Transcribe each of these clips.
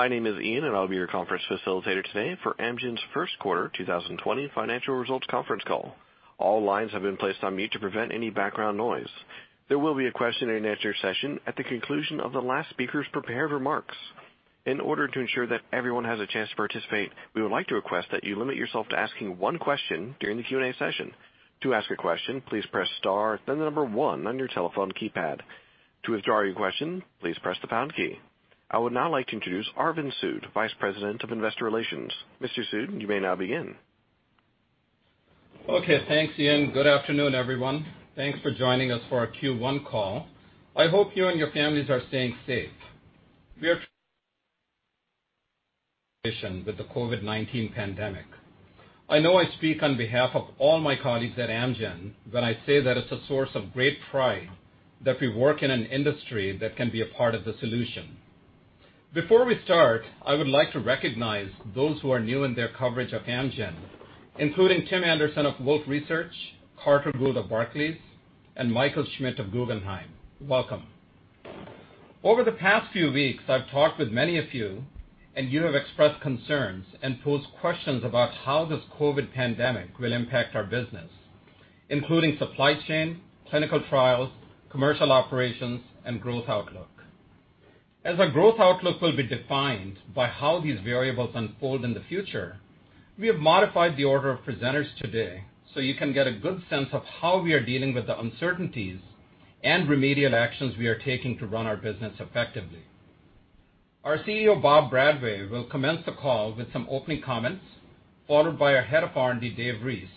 My name is Ian, and I'll be your conference facilitator today for Amgen's first quarter 2020 financial results conference call. All lines have been placed on mute to prevent any background noise. There will be a question and answer session at the conclusion of the last speaker's prepared remarks. In order to ensure that everyone has a chance to participate, we would like to request that you limit yourself to asking one question during the Q&A session. To ask a question, please press star then the number one on your telephone keypad. To withdraw your question, please press the pound key. I would now like to introduce Arvind Sood, Vice President of Investor Relations. Mr. Sood, you may now begin. Okay. Thanks, Ian. Good afternoon, everyone. Thanks for joining us for our Q1 call. I hope you and your families are staying safe. We are with the COVID-19 pandemic. I know I speak on behalf of all my colleagues at Amgen when I say that it's a source of great pride that we work in an industry that can be a part of the solution. Before we start, I would like to recognize those who are new in their coverage of Amgen, including Tim Anderson of Wolfe Research, Carter Gould of Barclays, and Michael Schmidt of Guggenheim. Welcome. Over the past few weeks, I've talked with many of you, and you have expressed concerns and posed questions about how this COVID pandemic will impact our business, including supply chain, clinical trials, commercial operations, and growth outlook. As our growth outlook will be defined by how these variables unfold in the future, we have modified the order of presenters today so you can get a good sense of how we are dealing with the uncertainties and remedial actions we are taking to run our business effectively. Our Chief Executive Officer, Robert A. Bradway, will commence the call with some opening comments, followed by our head of R&D, David Reese,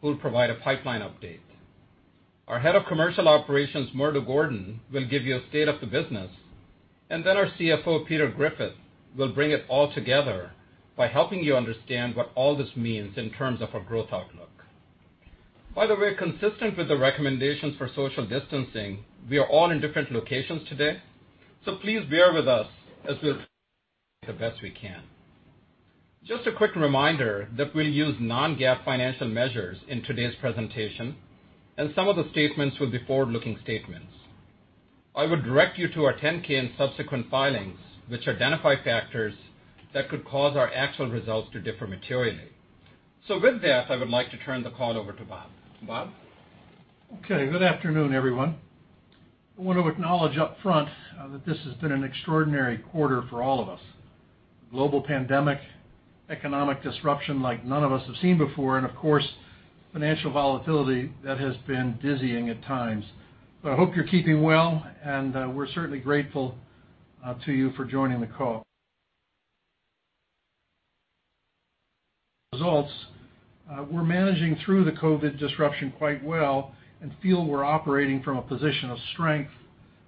who will provide a pipeline update. Our head of commercial operations, Murdo Gordon, will give you a state of the business, and then our Chief Financial Officer, Peter Griffith, will bring it all together by helping you understand what all this means in terms of our growth outlook. By the way, consistent with the recommendations for social distancing, we are all in different locations today, so please bear with us as we the best we can. Just a quick reminder that we'll use Non-GAAP financial measures in today's presentation, and some of the statements will be forward-looking statements. I would direct you to our 10-K and subsequent filings, which identify factors that could cause our actual results to differ materially. With that, I would like to turn the call over to Robert. Robert? Okay, good afternoon, everyone. I want to acknowledge upfront that this has been an extraordinary quarter for all of us. Global pandemic, economic disruption like none of us have seen before, of course, financial volatility that has been dizzying at times. I hope you're keeping well, and we're certainly grateful to you for joining the call. We're managing through the COVID disruption quite well and feel we're operating from a position of strength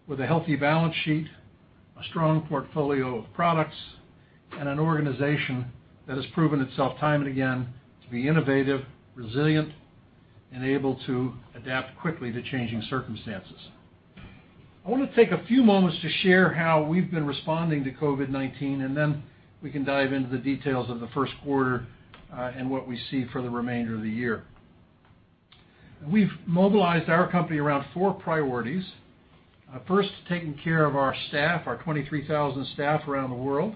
with a healthy balance sheet, a strong portfolio of products, and an organization that has proven itself time and again to be innovative, resilient, and able to adapt quickly to changing circumstances. I want to take a few moments to share how we've been responding to COVID-19, then we can dive into the details of the first quarter, and what we see for the remainder of the year. We've mobilized our company around four priorities. First, taking care of our staff, our 23,000 staff around the world.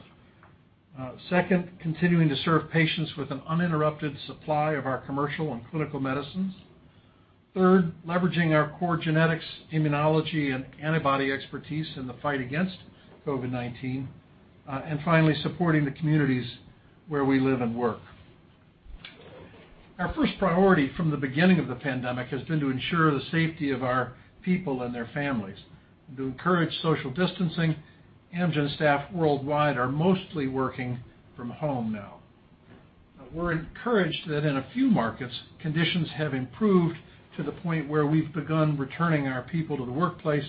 Second, continuing to serve patients with an uninterrupted supply of our commercial and clinical medicines. Third, leveraging our core genetics, immunology, and antibody expertise in the fight against COVID-19. Finally, supporting the communities where we live and work. Our first priority from the beginning of the pandemic has been to ensure the safety of our people and their families. To encourage social distancing, Amgen staff worldwide are mostly working from home now. We're encouraged that in a few markets, conditions have improved to the point where we've begun returning our people to the workplace,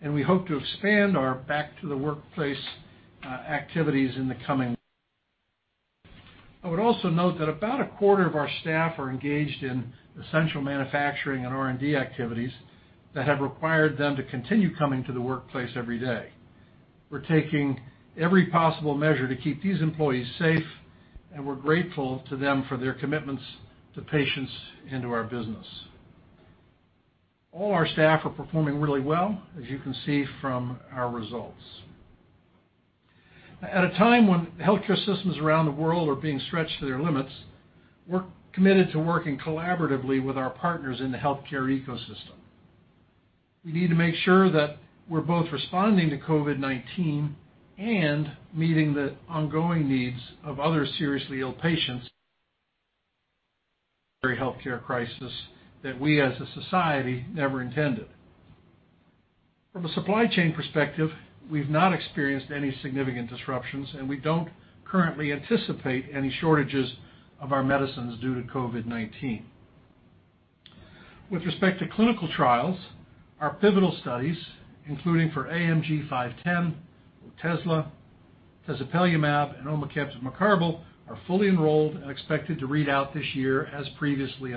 and we hope to expand our back to the workplace activities in the coming. I would also note that about a quarter of our staff are engaged in essential manufacturing and R&D activities that have required them to continue coming to the workplace every day. We're taking every possible measure to keep these employees safe, and we're grateful to them for their commitments to patients and to our business. All our staff are performing really well, as you can see from our results. At a time when healthcare systems around the world are being stretched to their limits, we're committed to working collaboratively with our partners in the healthcare ecosystem. We need to make sure that we're both responding to COVID-19 and meeting the ongoing needs of other seriously ill patients healthcare crisis that we as a society never intended. From a supply chain perspective, we've not experienced any significant disruptions, and we don't currently anticipate any shortages of our medicines due to COVID-19. With respect to clinical trials, our pivotal studies, including for AMG 510, Otezla, tezepelumab, and omecamtiv mecarbil, are fully enrolled and expected to read out this year as previously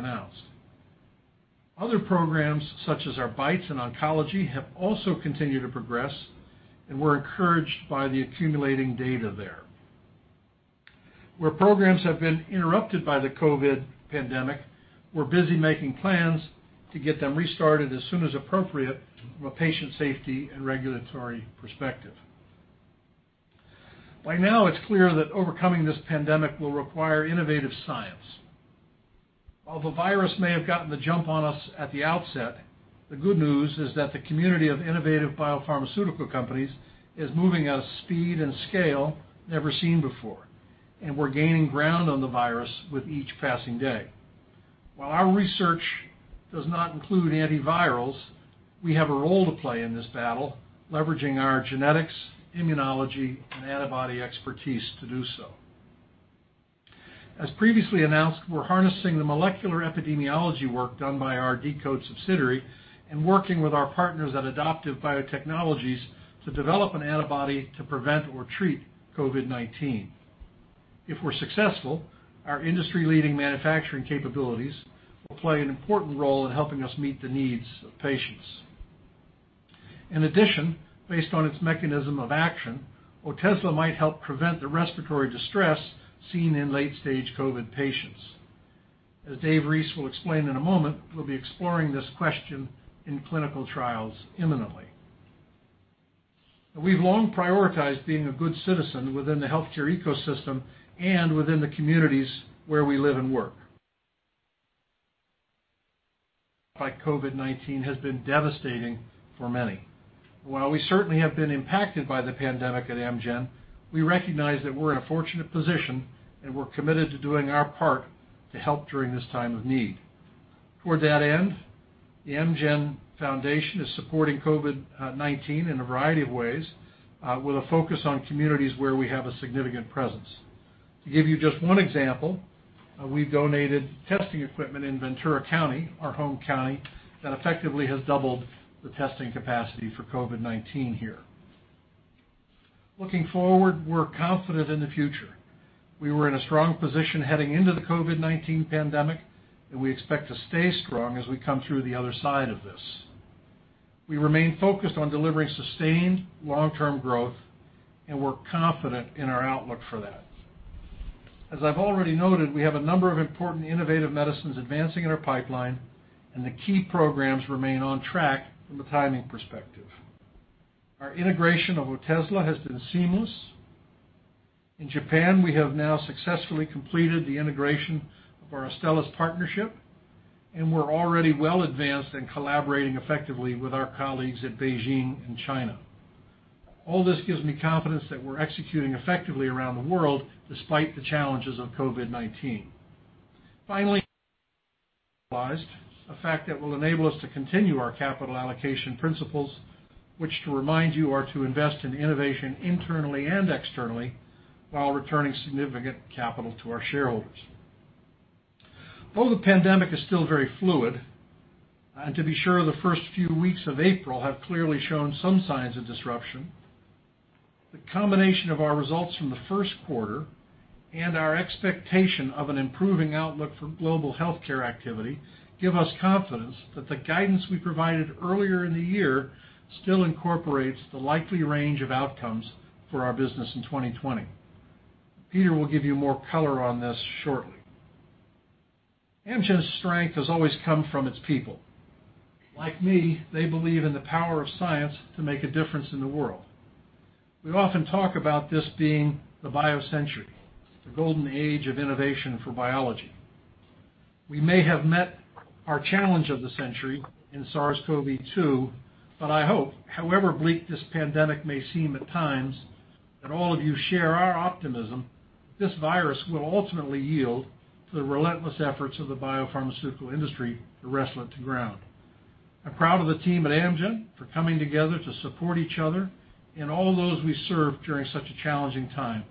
announced. Other programs, such as our BiTEs in oncology, have also continued to progress, and we're encouraged by the accumulating data there. Where programs have been interrupted by the COVID pandemic, we're busy making plans to get them restarted as soon as appropriate from a patient safety and regulatory perspective. By now, it's clear that overcoming this pandemic will require innovative science. While the virus may have gotten the jump on us at the outset, the good news is that the community of innovative biopharmaceutical companies is moving at a speed and scale never seen before, and we're gaining ground on the virus with each passing day. While our research does not include antivirals, we have a role to play in this battle, leveraging our genetics, immunology, and antibody expertise to do so. As previously announced, we're harnessing the molecular epidemiology work done by our deCODE subsidiary and working with our partners at Adaptive Biotechnologies to develop an antibody to prevent or treat COVID-19. If we're successful, our industry-leading manufacturing capabilities will play an important role in helping us meet the needs of patients. In addition, based on its mechanism of action, Otezla might help prevent the respiratory distress seen in late-stage COVID patients. As David Reese will explain in a moment, we'll be exploring this question in clinical trials imminently. We've long prioritized being a good citizen within the healthcare ecosystem and within the communities where we live and work. COVID-19 has been devastating for many. While we certainly have been impacted by the pandemic at Amgen, we recognize that we're in a fortunate position, and we're committed to doing our part to help during this time of need. Toward that end, the Amgen Foundation is supporting COVID-19 in a variety of ways, with a focus on communities where we have a significant presence. To give you just one example, we've donated testing equipment in Ventura County, our home county, that effectively has doubled the testing capacity for COVID-19 here. Looking forward, we're confident in the future. We were in a strong position heading into the COVID-19 pandemic, and we expect to stay strong as we come through the other side of this. We remain focused on delivering sustained long-term growth, and we're confident in our outlook for that. As I've already noted, we have a number of important innovative medicines advancing in our pipeline, and the key programs remain on track from a timing perspective. Our integration of Otezla has been seamless. In Japan, we have now successfully completed the integration of our Astellas partnership, and we're already well advanced in collaborating effectively with our colleagues in Beijing and China. All this gives me confidence that we're executing effectively around the world despite the challenges of COVID-19. Finally, a fact that will enable us to continue our capital allocation principles, which to remind you are to invest in innovation internally and externally while returning significant capital to our shareholders. Though the pandemic is still very fluid, and to be sure the first few weeks of April have clearly shown some signs of disruption, the combination of our results from the first quarter and our expectation of an improving outlook for global healthcare activity give us confidence that the guidance we provided earlier in the year still incorporates the likely range of outcomes for our business in 2020. Peter will give you more color on this shortly. Amgen's strength has always come from its people. Like me, they believe in the power of science to make a difference in the world. We often talk about this being the bio-century, the golden age of innovation for biology. We may have met our challenge of the century in SARS-CoV-2. I hope, however bleak this pandemic may seem at times, that all of you share our optimism this virus will ultimately yield to the relentless efforts of the biopharmaceutical industry to wrestle it to ground. I'm proud of the team at Amgen for coming together to support each other and all those we serve during such a challenging time,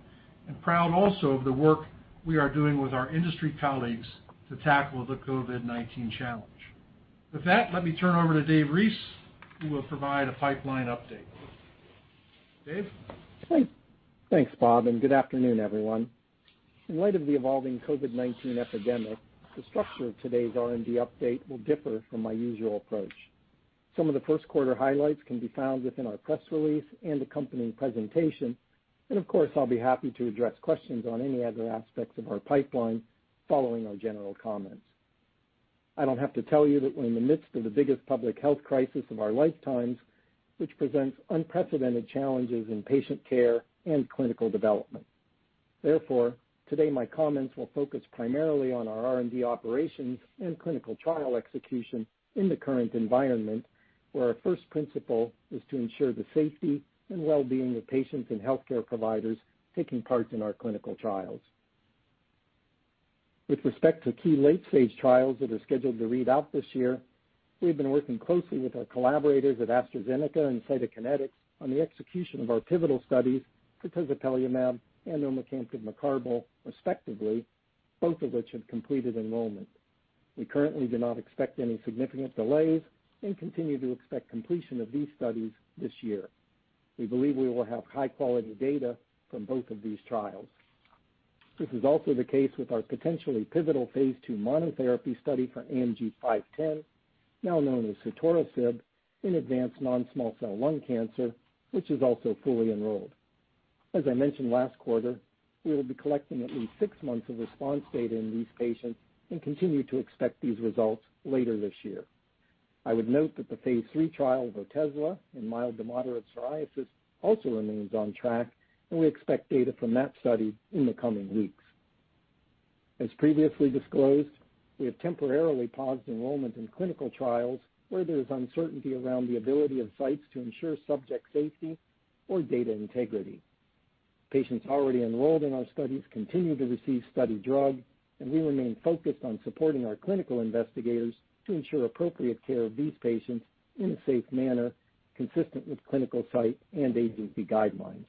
and proud also of the work we are doing with our industry colleagues to tackle the COVID-19 challenge. With that, let me turn over to David Reese, who will provide a pipeline update. David? Thanks, Robert. Good afternoon, everyone. In light of the evolving COVID-19 epidemic, the structure of today's R&D update will differ from my usual approach. Some of the first quarter highlights can be found within our press release and accompanying presentation. Of course, I'll be happy to address questions on any other aspects of our pipeline following our general comments. I don't have to tell you that we're in the midst of the biggest public health crisis of our lifetimes, which presents unprecedented challenges in patient care and clinical development. Therefore, today my comments will focus primarily on our R&D operations and clinical trial execution in the current environment, where our first principle is to ensure the safety and well-being of patients and healthcare providers taking part in our clinical trials. With respect to key late-stage trials that are scheduled to read out this year, we have been working closely with our collaborators at AstraZeneca and Cytokinetics on the execution of our pivotal studies for tezepelumab and omecamtiv mecarbil respectively, both of which have completed enrollment. We currently do not expect any significant delays and continue to expect completion of these studies this year. We believe we will have high-quality data from both of these trials. This is also the case with our potentially pivotal phase II monotherapy study for AMG 510Now known as sotorasib in advanced non-small cell lung cancer, which is also fully enrolled. As I mentioned last quarter, we will be collecting at least six months of response data in these patients and continue to expect these results later this year. I would note that the phase III trial of Otezla in mild to moderate psoriasis also remains on track, and we expect data from that study in the coming weeks. As previously disclosed, we have temporarily paused enrollment in clinical trials where there is uncertainty around the ability of sites to ensure subject safety or data integrity. Patients already enrolled in our studies continue to receive study drug, and we remain focused on supporting our clinical investigators to ensure appropriate care of these patients in a safe manner consistent with clinical site and agency guidelines.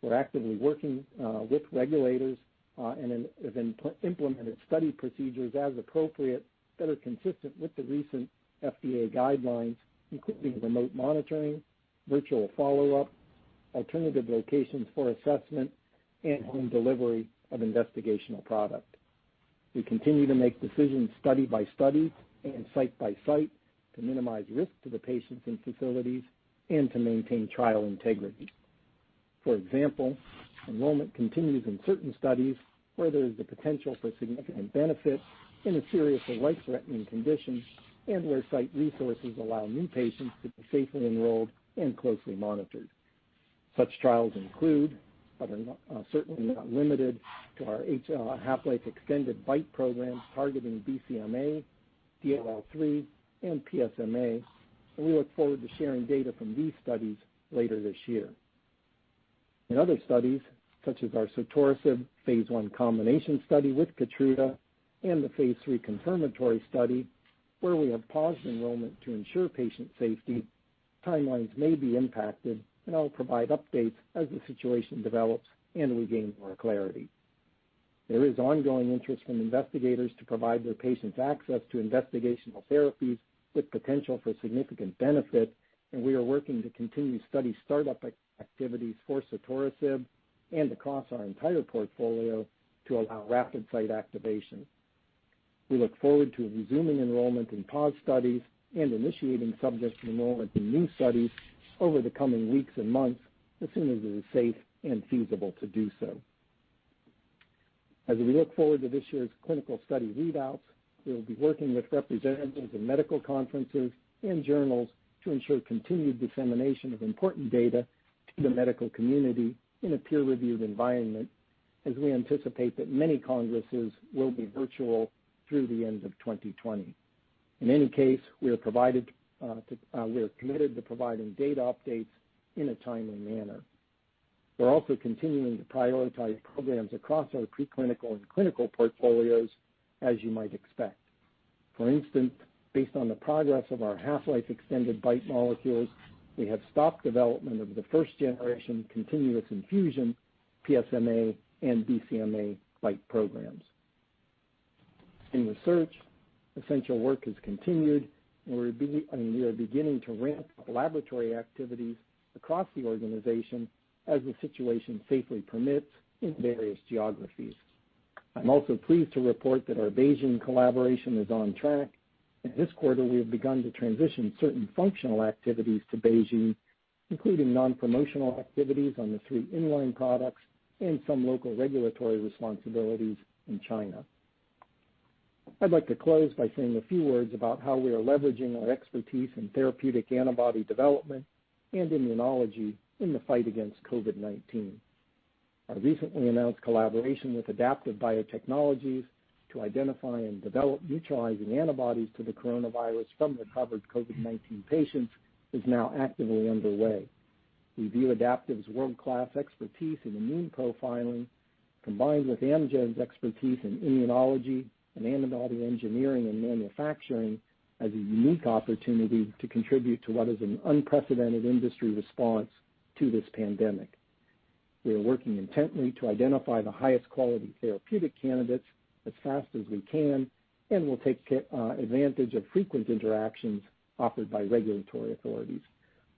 We're actively working with regulators and have implemented study procedures as appropriate that are consistent with the recent FDA guidelines, including remote monitoring, virtual follow-up, alternative locations for assessment, and home delivery of investigational product. We continue to make decisions study by study and site by site to minimize risk to the patients and facilities and to maintain trial integrity. For example, enrollment continues in certain studies where there is the potential for significant benefit in a serious or life-threatening condition, and where site resources allow new patients to be safely enrolled and closely monitored. Such trials include, but are certainly not limited to our half-life extended BiTE program targeting BCMA, DLL3, and PSMA, and we look forward to sharing data from these studies later this year. In other studies, such as our sotorasib phase I combination study with Keytruda and the phase III confirmatory study, where we have paused enrollment to ensure patient safety, timelines may be impacted, and I'll provide updates as the situation develops and we gain more clarity. There is ongoing interest from investigators to provide their patients access to investigational therapies with potential for significant benefit, and we are working to continue study startup activities for sotorasib and across our entire portfolio to allow rapid site activation. We look forward to resuming enrollment in paused studies and initiating subject enrollment in new studies over the coming weeks and months as soon as it is safe and feasible to do so. As we look forward to this year's clinical study readouts, we will be working with representatives in medical conferences and journals to ensure continued dissemination of important data to the medical community in a peer-reviewed environment, as we anticipate that many congresses will be virtual through the end of 2020. In any case, we are committed to providing data updates in a timely manner. We're also continuing to prioritize programs across our preclinical and clinical portfolios, as you might expect. For instance, based on the progress of our half-life extended BiTE molecules, we have stopped development of the first-generation continuous infusion PSMA and BCMA BiTE programs. In research, essential work has continued, and we are beginning to ramp up laboratory activities across the organization as the situation safely permits in various geographies. I'm also pleased to report that our Beijing collaboration is on track, and this quarter we have begun to transition certain functional activities to Beijing, including non-promotional activities on the three in-line products and some local regulatory responsibilities in China. I'd like to close by saying a few words about how we are leveraging our expertise in therapeutic antibody development and immunology in the fight against COVID-19. Our recently announced collaboration with Adaptive Biotechnologies to identify and develop neutralizing antibodies to the coronavirus from recovered COVID-19 patients is now actively underway. We view Adaptive's world-class expertise in immune profiling, combined with Amgen's expertise in immunology and antibody engineering and manufacturing, as a unique opportunity to contribute to what is an unprecedented industry response to this pandemic. We are working intently to identify the highest quality therapeutic candidates as fast as we can. We'll take advantage of frequent interactions offered by regulatory authorities.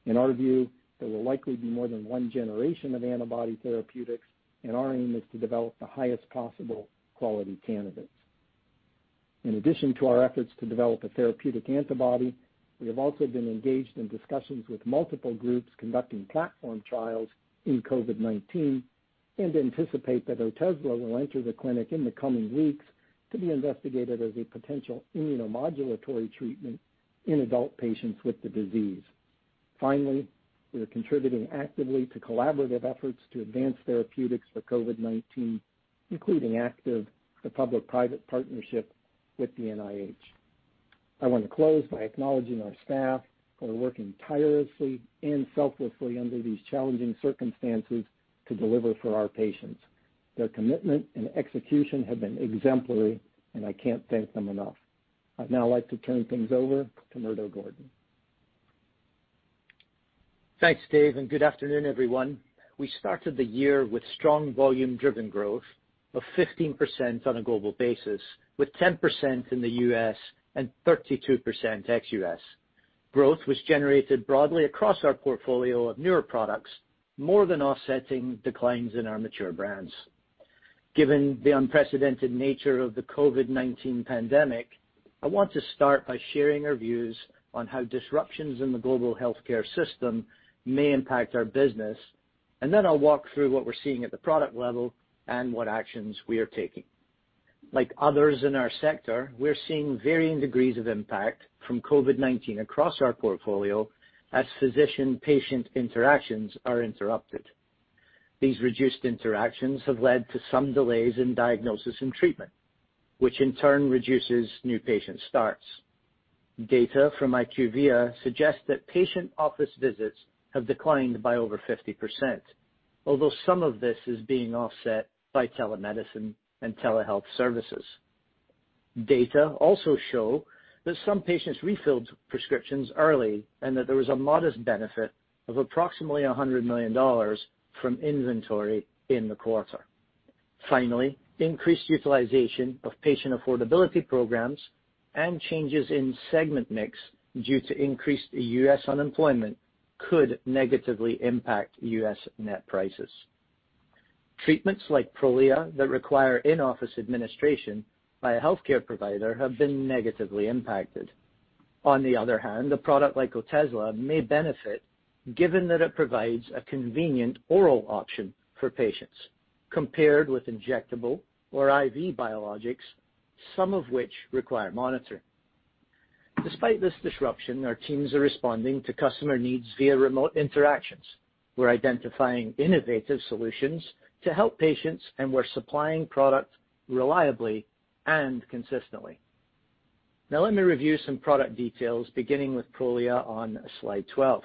In our view, there will likely be more than one generation of antibody therapeutics. Our aim is to develop the highest possible quality candidates. In addition to our efforts to develop a therapeutic antibody, we have also been engaged in discussions with multiple groups conducting platform trials in COVID-19 and anticipate that Otezla will enter the clinic in the coming weeks to be investigated as a potential immunomodulatory treatment in adult patients with the disease. Finally, we are contributing actively to collaborative efforts to advance therapeutics for COVID-19, including ACTIV, the public-private partnership with the NIH. I want to close by acknowledging our staff who are working tirelessly and selflessly under these challenging circumstances to deliver for our patients. Their commitment and execution have been exemplary, and I can't thank them enough. I'd now like to turn things over to Murdo Gordon. Thanks, David, good afternoon, everyone. We started the year with strong volume-driven growth of 15% on a global basis, with 10% in the U.S. and 32% ex-U.S. Growth was generated broadly across our portfolio of newer products, more than offsetting declines in our mature brands. Given the unprecedented nature of the COVID-19 pandemic, I want to start by sharing our views on how disruptions in the global healthcare system may impact our business, and then I'll walk through what we're seeing at the product level and what actions we are taking. Like others in our sector, we're seeing varying degrees of impact from COVID-19 across our portfolio as physician-patient interactions are interrupted. These reduced interactions have led to some delays in diagnosis and treatment, which in turn reduces new patient starts. Data from IQVIA suggests that patient office visits have declined by over 50%, although some of this is being offset by telemedicine and telehealth services. Data also show that some patients refilled prescriptions early, and that there was a modest benefit of approximately $100 million from inventory in the quarter. Finally, increased utilization of patient affordability programs and changes in segment mix due to increased U.S. unemployment could negatively impact U.S. net prices. Treatments like Prolia that require in-office administration by a healthcare provider have been negatively impacted. On the other hand, a product like Otezla may benefit, given that it provides a convenient oral option for patients compared with injectable or IV biologics, some of which require monitoring. Despite this disruption, our teams are responding to customer needs via remote interactions. We're identifying innovative solutions to help patients, and we're supplying product reliably and consistently. Now let me review some product details, beginning with Prolia on slide 12.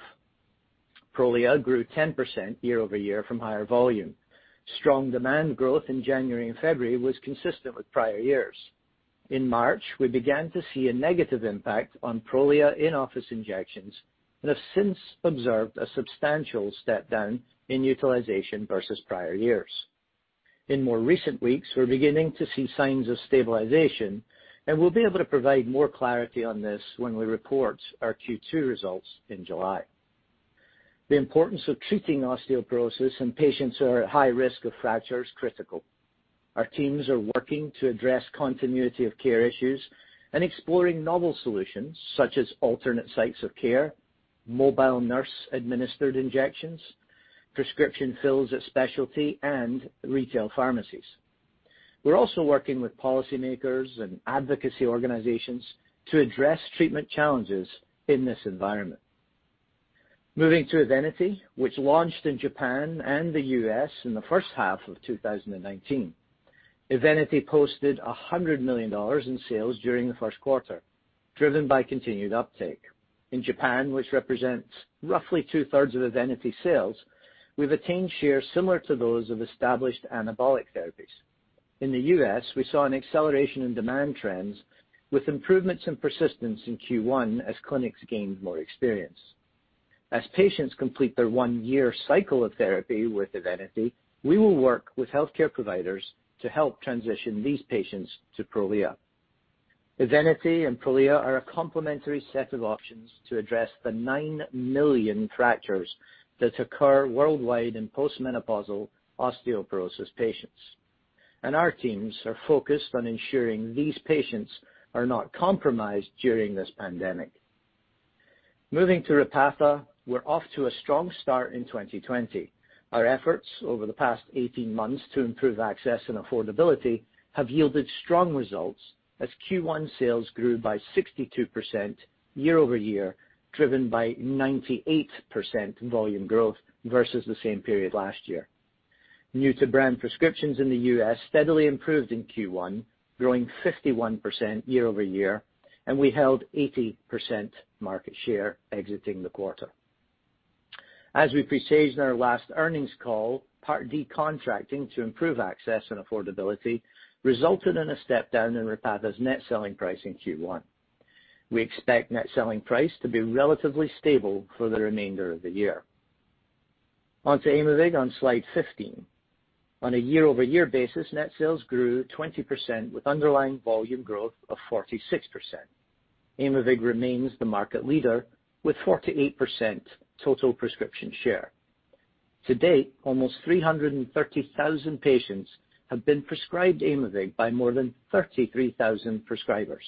Prolia grew 10% year-over-year from higher volume. Strong demand growth in January and February was consistent with prior years. In March, we began to see a negative impact on Prolia in-office injections and have since observed a substantial step-down in utilization versus prior years. In more recent weeks, we're beginning to see signs of stabilization, and we'll be able to provide more clarity on this when we report our Q2 results in July. The importance of treating osteoporosis in patients who are at high risk of fracture is critical. Our teams are working to address continuity of care issues and exploring novel solutions such as alternate sites of care, mobile nurse-administered injections, prescription fills at specialty and retail pharmacies. We're also working with policymakers and advocacy organizations to address treatment challenges in this environment. Moving to Evenity, which launched in Japan and the U.S. in the first half of 2019. Evenity posted $100 million in sales during the first quarter, driven by continued uptake. In Japan, which represents roughly 2/3 of Evenity sales, we've attained shares similar to those of established anabolic therapies. In the U.S., we saw an acceleration in demand trends with improvements in persistence in Q1 as clinics gained more experience. As patients complete their one-year cycle of therapy with Evenity, we will work with healthcare providers to help transition these patients to Prolia. Evenity and Prolia are a complementary set of options to address the nine million fractures that occur worldwide in post-menopausal osteoporosis patients. Our teams are focused on ensuring these patients are not compromised during this pandemic. Moving to Repatha, we're off to a strong start in 2020. Our efforts over the past 18 months to improve access and affordability have yielded strong results as Q1 sales grew by 62% year-over-year, driven by 98% volume growth versus the same period last year. New-to-brand prescriptions in the U.S. steadily improved in Q1, growing 51% year-over-year. We held 80% market share exiting the quarter. As we presaged in our last earnings call, Part D contracting to improve access and affordability resulted in a step-down in Repatha's net selling price in Q1. We expect net selling price to be relatively stable for the remainder of the year. On to Aimovig on slide 15. On a year-over-year basis, net sales grew 20% with underlying volume growth of 46%. Aimovig remains the market leader with 48% total prescription share. To date, almost 330,000 patients have been prescribed Aimovig by more than 33,000 prescribers.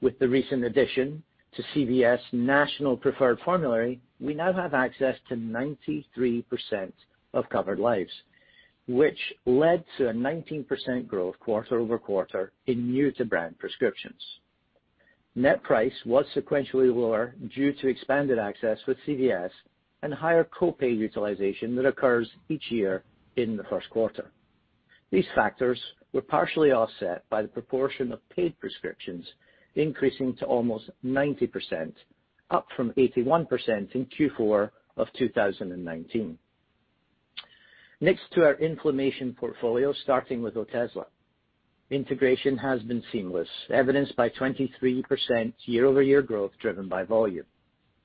With the recent addition to CVS national preferred formulary, we now have access to 93% of covered lives, which led to a 19% growth quarter-over-quarter in new-to-brand prescriptions. Net price was sequentially lower due to expanded access with CVS and higher co-pay utilization that occurs each year in the first quarter. These factors were partially offset by the proportion of paid prescriptions increasing to almost 90%, up from 81% in Q4 of 2019. Our inflammation portfolio, starting with Otezla. Integration has been seamless, evidenced by 23% year-over-year growth driven by volume.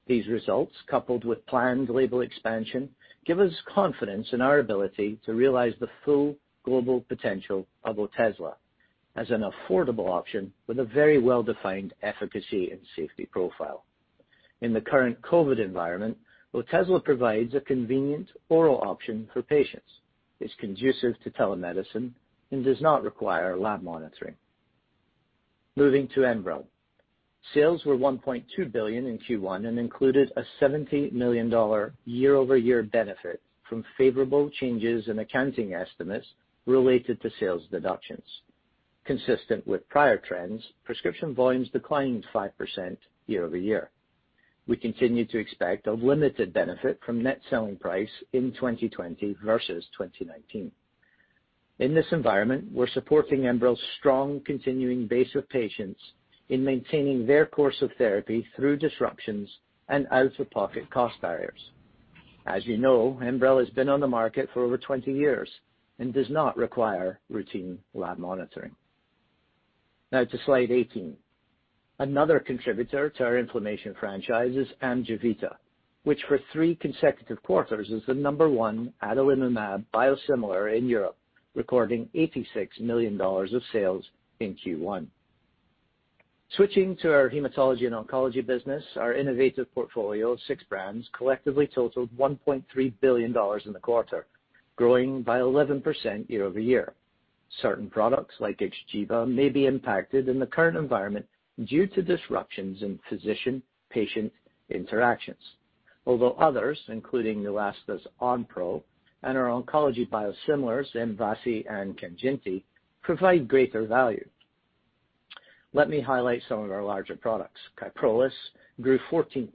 These results, coupled with planned label expansion, give us confidence in our ability to realize the full global potential of Otezla as an affordable option with a very well-defined efficacy and safety profile. In the current COVID environment, Otezla provides a convenient oral option for patients, is conducive to telemedicine, and does not require lab monitoring. Moving to ENBREL. Sales were $1.2 billion in Q1 and included a $70 million year-over-year benefit from favorable changes in accounting estimates related to sales deductions. Consistent with prior trends, prescription volumes declined 5% year-over-year. We continue to expect a limited benefit from net selling price in 2020 versus 2019. In this environment, we're supporting ENBREL's strong continuing base of patients in maintaining their course of therapy through disruptions and out-of-pocket cost barriers. As you know, ENBREL has been on the market for over 20 years and does not require routine lab monitoring. Now to slide 18. Another contributor to our inflammation franchise is AMGEVITA, which for three consecutive quarters is the number one adalimumab biosimilar in Europe, recording $86 million of sales in Q1. Switching to our hematology and oncology business, our innovative portfolio of six brands collectively totaled $1.3 billion in the quarter, growing by 11% year-over-year. Certain products, like XGEVA, may be impacted in the current environment due to disruptions in physician-patient interactions. Although others, including Neulasta's Onpro and our oncology biosimilars, Mvasi and Kanjinti, provide greater value. Let me highlight some of our larger products. KYPROLIS grew 14%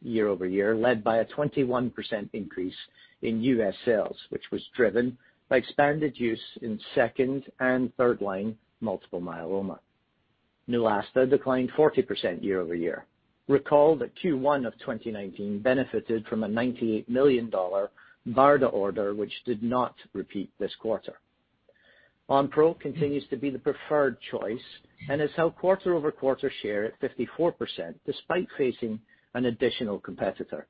year-over-year, led by a 21% increase in U.S. sales, which was driven by expanded use in second and third line multiple myeloma. Neulasta declined 40% year-over-year. Recall that Q1 of 2019 benefited from a $98 million BARDA order, which did not repeat this quarter. Onpro continues to be the preferred choice and has held quarter-over-quarter share at 54%, despite facing an additional competitor.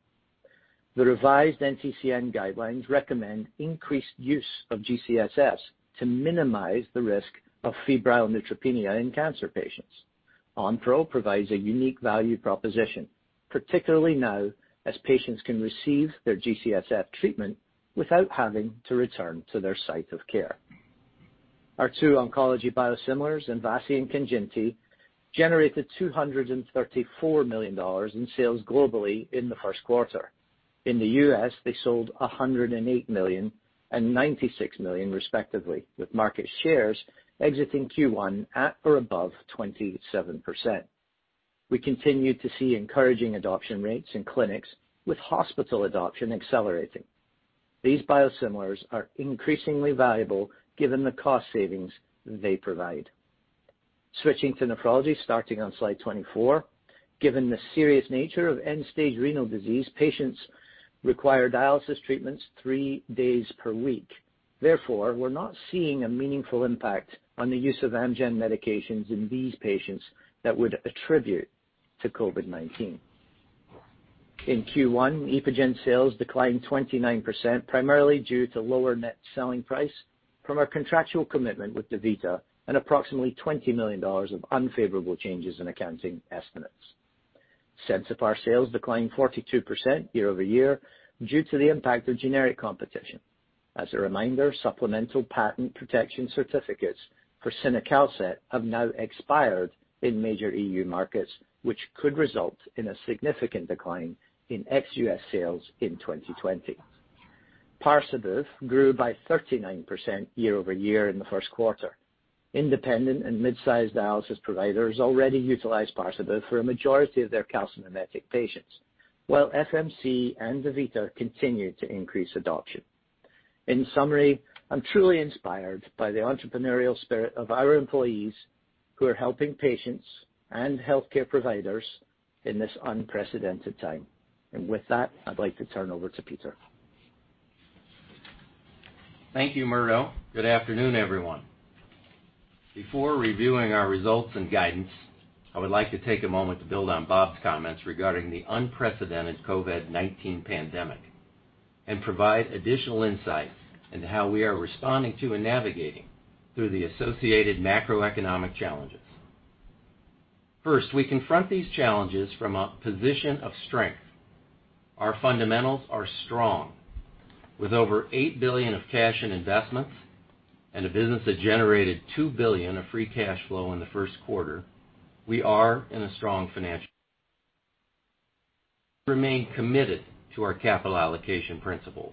The revised NCCN guidelines recommend increased use of G-CSF to minimize the risk of febrile neutropenia in cancer patients. Onpro provides a unique value proposition, particularly now, as patients can receive their G-CSF treatment without having to return to their site of care. Our two oncology biosimilars, Mvasi and Kanjinti, generated $234 million in sales globally in the first quarter. In the U.S., they sold $108 million and $96 million respectively, with market shares exiting Q1 at or above 27%. We continue to see encouraging adoption rates in clinics, with hospital adoption accelerating. These biosimilars are increasingly valuable given the cost savings they provide. Switching to nephrology, starting on Slide 24. Given the serious nature of end-stage renal disease, patients require dialysis treatments three days per week. Therefore, we're not seeing a meaningful impact on the use of Amgen medications in these patients that would attribute to COVID-19. In Q1, EPOGEN sales declined 29%, primarily due to lower net selling price from our contractual commitment with DaVita and approximately $20 million of unfavorable changes in accounting estimates. SENSIPAR sales declined 42% year-over-year due to the impact of generic competition. As a reminder, supplemental patent protection certificates for cinacalcet have now expired in major EU markets, which could result in a significant decline in ex-U.S. sales in 2020. Parsabiv grew by 39% year-over-year in the first quarter. Independent and mid-sized dialysis providers already utilize Parsabiv for a majority of their calcimimetic patients, while FMC and DaVita continue to increase adoption. In summary, I'm truly inspired by the entrepreneurial spirit of our employees who are helping patients and healthcare providers in this unprecedented time. With that, I'd like to turn over to Peter Griffith. Thank you, Murdo. Good afternoon, everyone. Before reviewing our results and guidance, I would like to take a moment to build on Robert's comments regarding the unprecedented COVID-19 pandemic and provide additional insight into how we are responding to and navigating through the associated macroeconomic challenges. We confront these challenges from a position of strength. Our fundamentals are strong. With over $8 billion of cash and investments and a business that generated $2 billion of free cash flow in the first quarter, we remain committed to our capital allocation principles,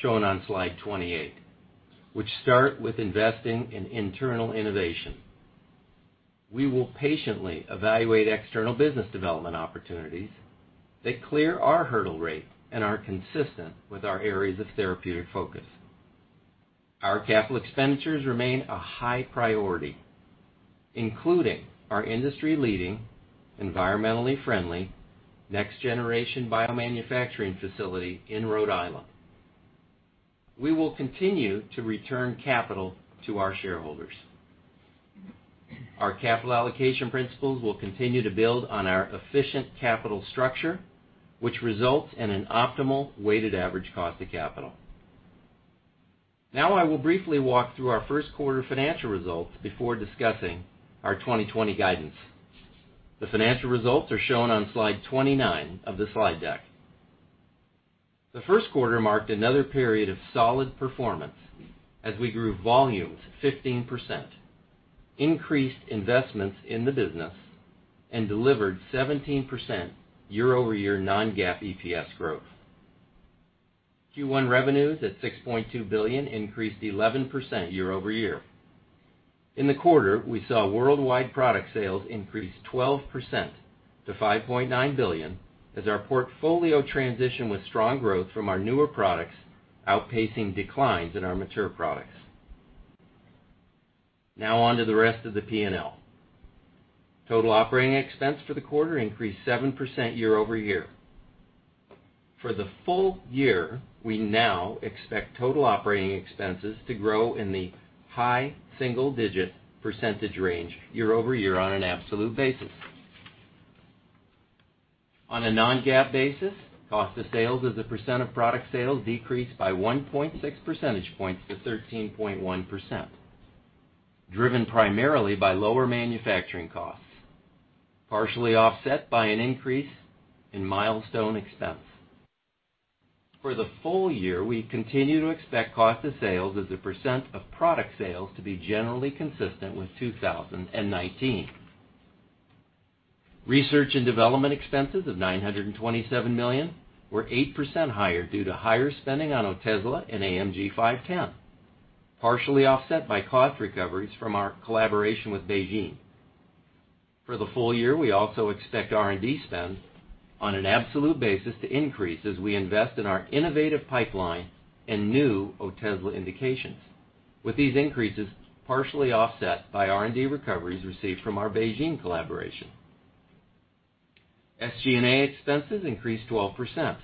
shown on Slide 28, which start with investing in internal innovation. We will patiently evaluate external business development opportunities that clear our hurdle rates and are consistent with our areas of therapeutic focus. Our capital expenditures remain a high priority, including our industry-leading, environmentally friendly, next-generation biomanufacturing facility in Rhode Island. We will continue to return capital to our shareholders. Our capital allocation principles will continue to build on our efficient capital structure, which results in an optimal weighted average cost of capital. I will briefly walk through our first quarter financial results before discussing our 2020 guidance. The financial results are shown on slide 29 of the slide deck. The first quarter marked another period of solid performance as we grew volumes 15%, increased investments in the business, and delivered 17% year-over-year Non-GAAP EPS growth. Q1 revenues at $6.2 billion increased 11% year-over-year. In the quarter, we saw worldwide product sales increase 12% to $5.9 billion as our portfolio transitioned with strong growth from our newer products outpacing declines in our mature products. On to the rest of the P&L. Total operating expense for the quarter increased 7% year-over-year. For the full year, we now expect total operating expenses to grow in the high single-digit percentage range year-over-year on an absolute basis. On a Non-GAAP basis, cost of sales as a percentage of product sales decreased by 1.6 percentage points to 13.1%, driven primarily by lower manufacturing costs, partially offset by an increase in milestone expense. For the full year, we continue to expect cost of sales as a percentage of product sales to be generally consistent with 2019. Research and development expenses of $927 million were 8% higher due to higher spending on Otezla and AMG 510, partially offset by cost recoveries from our collaboration with Beijing. For the full year, we also expect R&D spend on an absolute basis to increase as we invest in our innovative pipeline and new Otezla indications, with these increases partially offset by R&D recoveries received from our Beijing collaboration. SG&A expenses increased 12%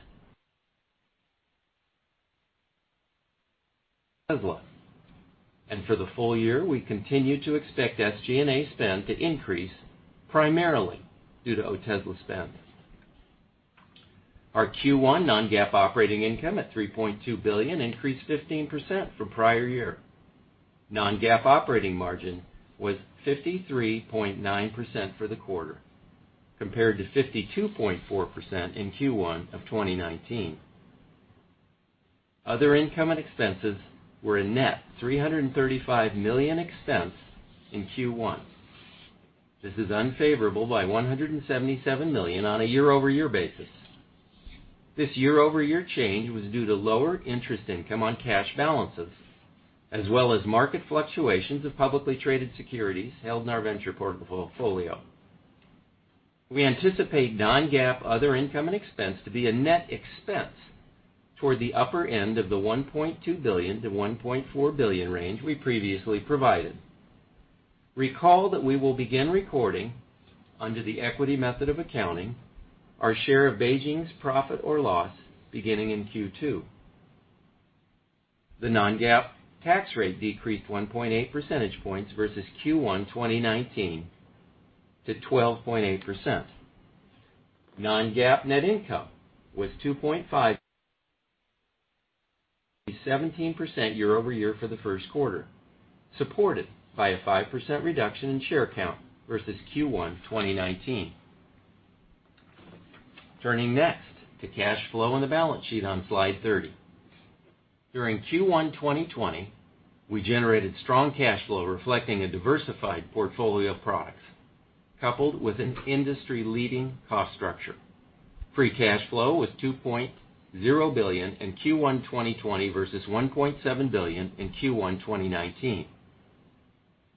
Otezla, and for the full year, we continue to expect SG&A spend to increase primarily due to Otezla spend. Our Q1 Non-GAAP operating income at $3.2 billion increased 15% from prior year. Non-GAAP operating margin was 53.9% for the quarter, compared to 52.4% in Q1 of 2019. Other income and expenses were a net $335 million expense in Q1. This is unfavorable by $177 million on a year-over-year basis. This year-over-year change was due to lower interest income on cash balances, as well as market fluctuations of publicly traded securities held in our venture portfolio. We anticipate Non-GAAP other income and expense to be a net expense toward the upper end of the $1.2 billion-$1.4 billion range we previously provided. Recall that we will begin recording under the equity method of accounting our share of Beijing's profit or loss beginning in Q2. The Non-GAAP tax rate decreased 1.8 percentage points versus Q1 2019 to 12.8%. Non-GAAP net income was $2.5 17% year-over-year for the first quarter, supported by a 5% reduction in share count versus Q1 2019. Turning next to cash flow and the balance sheet on Slide 30. During Q1 2020, we generated strong cash flow reflecting a diversified portfolio of products, coupled with an industry-leading cost structure. Free cash flow was $2.0 billion in Q1 2020 versus $1.7 billion in Q1 2019.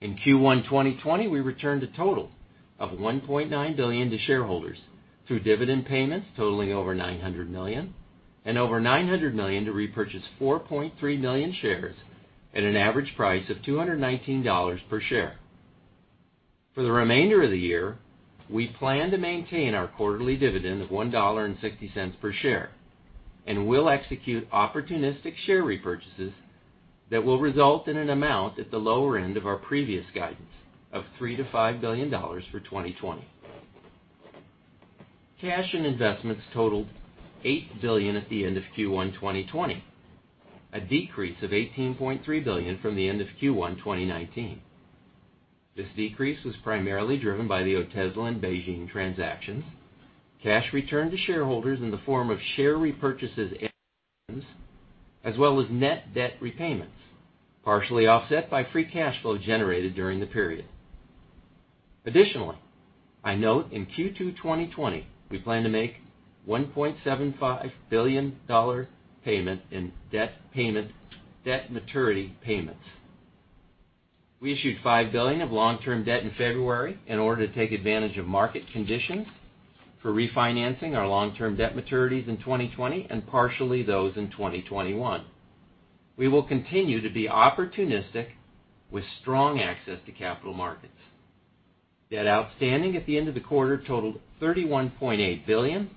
In Q1 2020, we returned a total of $1.9 billion to shareholders through dividend payments totaling over $900 million and over $900 million to repurchase 4.3 million shares at an average price of $219 per share. For the remainder of the year, we plan to maintain our quarterly divIdend of $1.60 per share and will execute opportunistic share repurchases that will result in an amount at the lower end of our previous guidance of $3 billion-$5 billion for 2020. Cash and investments totaled $8 billion at the end of Q1 2020, a decrease of $18.3 billion from the end of Q1 2019. This decrease was primarily driven by the Otezla and Beijing transactions, cash returned to shareholders in the form of share repurchases and dividends, as well as net debt repayments, partially offset by free cash flow generated during the period. Additionally, I note in Q2 2020, we plan to make $1.75 billion payment in debt maturity payments. We issued $5 billion of long-term debt in February in order to take advantage of market conditions for refinancing our long-term debt maturities in 2020 and partially those in 2021. We will continue to be opportunistic with strong access to capital markets. Debt outstanding at the end of the quarter totaled $31.8 billion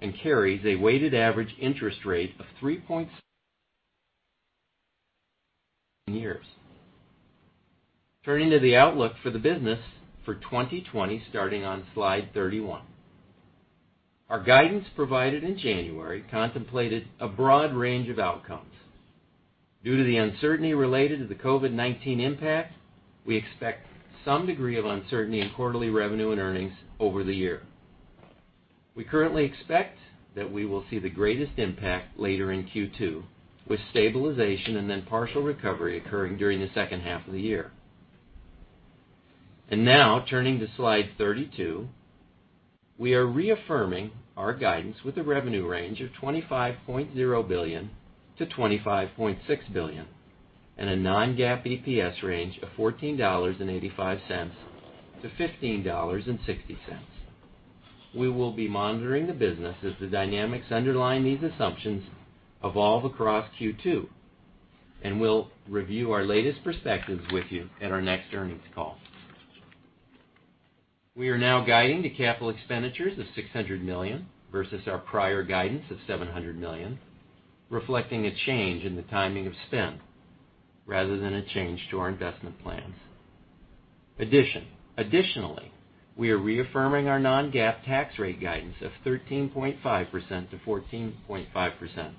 and carries a weighted average interest rate of 3.7 years. Turning to the outlook for the business for 2020, starting on Slide 31. Our guidance provided in January contemplated a broad range of outcomes. Due to the uncertainty related to the COVID-19 impact, we expect some degree of uncertainty in quarterly revenue and earnings over the year. We currently expect that we will see the greatest impact later in Q2, with stabilization and then partial recovery occurring during the second half of the year. Now turning to slide 32, we are reaffirming our guidance with a revenue range of $25.0 billion-$25.6 billion and a Non-GAAP EPS range of $14.85-$15.60. We will be monitoring the business as the dynamics underlying these assumptions evolve across Q2, and we'll review our latest perspectives with you at our next earnings call. We are now guiding to capital expenditures of $600 million versus our prior guidance of $700 million, reflecting a change in the timing of spend rather than a change to our investment plans. Additionally, we are reaffirming our Non-GAAP tax rate guidance of 13.5%-14.5%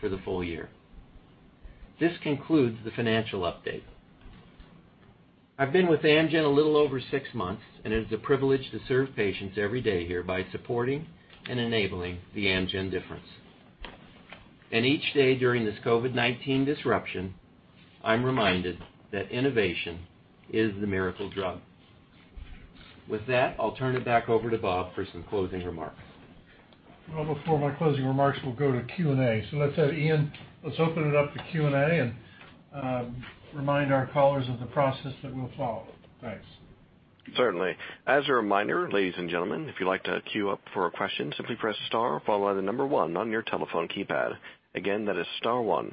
for the full year. This concludes the financial update. I've been with Amgen a little over six months, and it is a privilege to serve patients every day here by supporting and enabling the Amgen difference. Each day during this COVID-19 disruption, I'm reminded that innovation is the miracle drug. With that, I'll turn it back over to Robert for some closing remarks. Well, before my closing remarks, we'll go to Q&A. Let's have Ian, let's open it up to Q&A and remind our callers of the process that we'll follow. Thanks. Certainly. As a reminder, ladies and gentlemen, if you'd like to queue up for a question, simply press star, followed by the number one on your telephone keypad. Again, that is star one.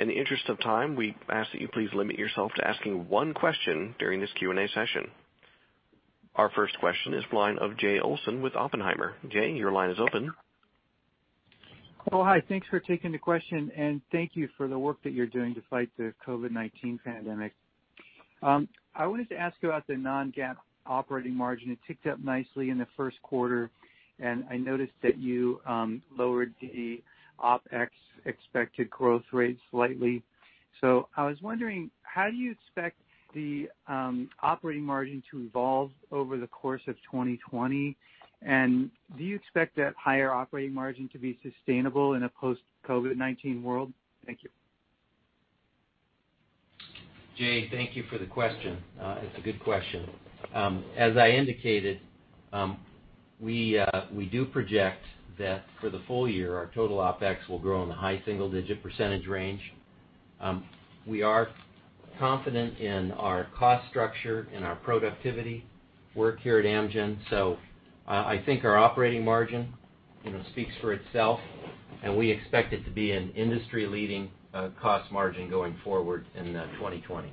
In the interest of time, we ask that you please limit yourself to asking one question during this Q&A session. Our first question is the line of Jay Olson with Oppenheimer. Jay, your line is open. Hi. Thanks for taking the question. Thank you for the work that you're doing to fight the COVID-19 pandemic. I wanted to ask about the Non-GAAP operating margin. It ticked up nicely in the first quarter. I noticed that you lowered the OpEx expected growth rate slightly. I was wondering, how do you expect the operating margin to evolve over the course of 2020? Do you expect that higher operating margin to be sustainable in a post-COVID-19 world? Thank you. Jay, thank you for the question. It's a good question. As I indicated, we do project that for the full year, our total OpEx will grow in the high single-digit % range. We are confident in our cost structure and our productivity work here at Amgen. I think our operating margin speaks for itself, and we expect it to be an industry-leading cost margin going forward in 2020.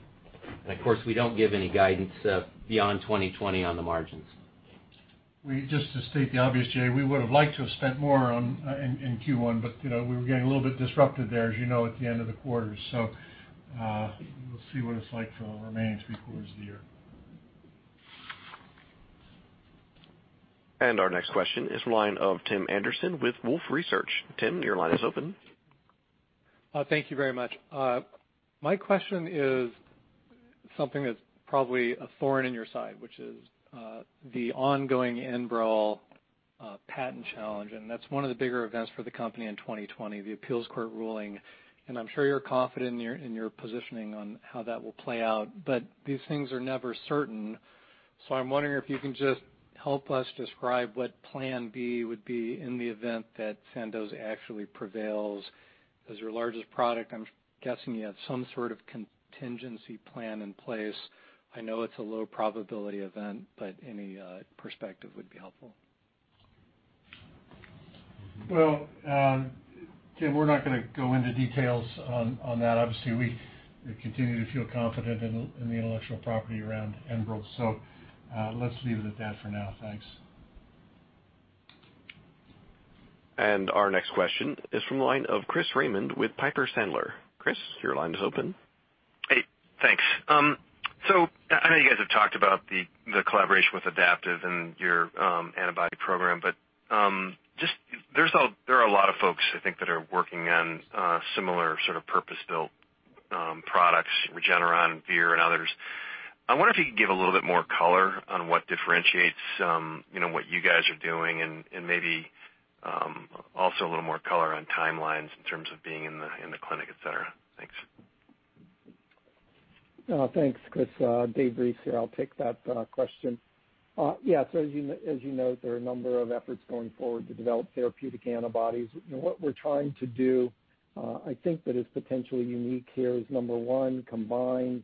Of course, we don't give any guidance beyond 2020 on the margins. Just to state the obvious, Jay, we would've liked to have spent more in Q1, but we were getting a little bit disrupted there, as you know, at the end of the quarter. We'll see what it's like for the remaining three quarters of the year. Our next question is from the line of Tim Anderson with Wolfe Research. Tim, your line is open. Thank you very much. My question is something that's probably a thorn in your side, which is the ongoing ENBREL patent challenge. That's one of the bigger events for the company in 2020, the appeals court ruling. I'm sure you're confident in your positioning on how that will play out. These things are never certain. I'm wondering if you can just help us describe what plan B would be in the event that Sandoz actually prevails. As your largest product, I'm guessing you have some sort of contingency plan in place. I know it's a low probability event, but any perspective would be helpful. Well, Tim, we're not going to go into details on that. Obviously, we continue to feel confident in the intellectual property around ENBREL, so let's leave it at that for now. Thanks. Our next question is from the line of Chris Raymond with Piper Sandler. Chris, your line is open. Hey, thanks. I know you guys have talked about the collaboration with Adaptive and your antibody program, but there are a lot of folks, I think, that are working on similar sort of purpose-built products, Regeneron and Vir and others. I wonder if you could give a little bit more color on what differentiates what you guys are doing and maybe also a little more color on timelines in terms of being in the clinic, et cetera. Thanks. Thanks, Chris. David Reese here. I'll take that question. As you note, there are a number of efforts going forward to develop therapeutic antibodies, and what we're trying to do I think that is potentially unique here is, number one, combine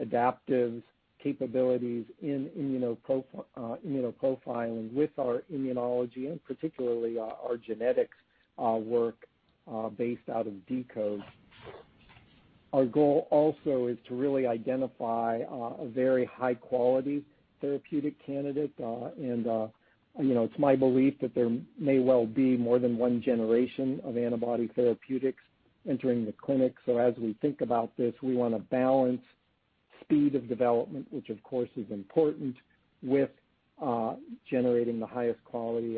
Adaptive's capabilities in immunoprofiling with our immunology and particularly our genetics work based out of deCODE. Our goal also is to really identify a very high-quality therapeutic candidate, and it's my belief that there may well be more than one generation of antibody therapeutics entering the clinic. As we think about this, we want to balance speed of development, which of course is important, with generating the highest quality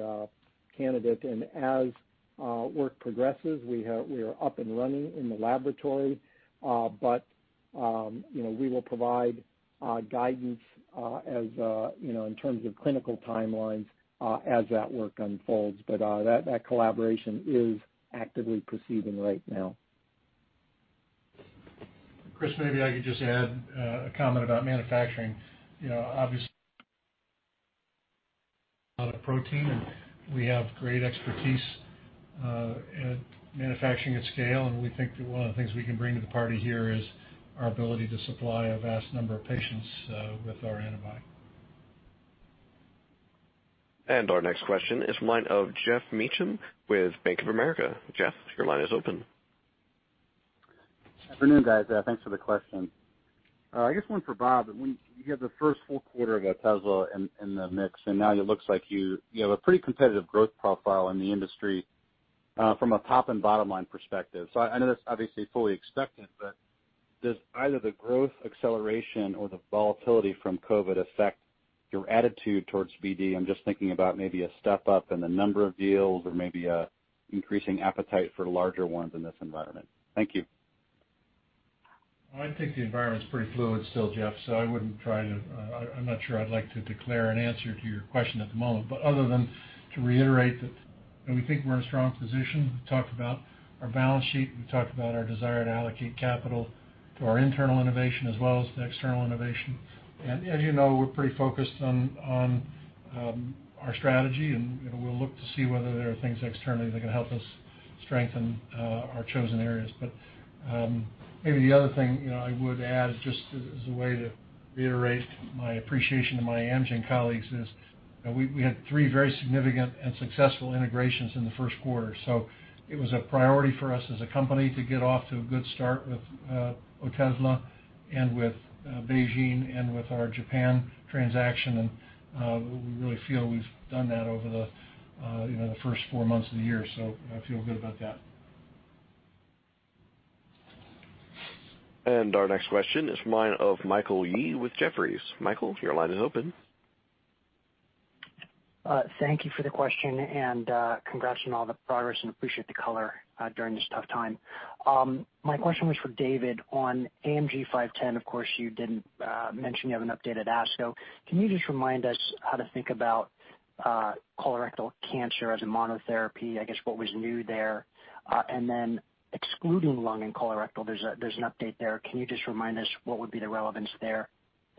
candidate. As work progresses, we are up and running in the laboratory. We will provide guidance in terms of clinical timelines as that work unfolds. That collaboration is actively proceeding right now. Chris, maybe I could just add a comment about manufacturing. Obviously a lot of protein, and we have great expertise at manufacturing at scale, and we think that one of the things we can bring to the party here is our ability to supply a vast number of patients with our antibody. Our next question is from line of Geoff Meacham with Bank of America. Geoff, your line is open. Good afternoon, guys. Thanks for the questions. I guess one for Robert. You have the first full quarter of Otezla in the mix, and now it looks like you have a pretty competitive growth profile in the industry from a top and bottom line perspective. I know that's obviously fully expected, but does either the growth acceleration or the volatility from COVID affect your attitude towards BD? I'm just thinking about maybe a step up in the number of deals or maybe an increasing appetite for larger ones in this environment. Thank you. I think the environment's pretty fluid still, Geoff, I'm not sure I'd like to declare an answer to your question at the moment. Other than to reiterate that we think we're in a strong position. We've talked about our balance sheet, we've talked about our desire to allocate capital to our internal innovation as well as to external innovation. As you know, we're pretty focused on our strategy, and we'll look to see whether there are things externally that can help us strengthen our chosen areas. Maybe the other thing I would add just as a way to reiterate my appreciation to my Amgen colleagues is, we had three very significant and successful integrations in the first quarter. It was a priority for us as a company to get off to a good start with Otezla and with Beijing and with our Japan transaction, and we really feel we've done that over the first four months of the year. I feel good about that. Our next question is from the line of Michael Yee with Jefferies. Michael, your line is open. Thank you for the question. Congrats on all the progress and appreciate the color during this tough time. My question was for David on AMG 510. Of course, you didn't mention you have an update at ASCO. Can you just remind us how to think about colorectal cancer as a monotherapy? I guess what was new there? Then excluding lung and colorectal, there's an update there. Can you just remind us what would be the relevance there?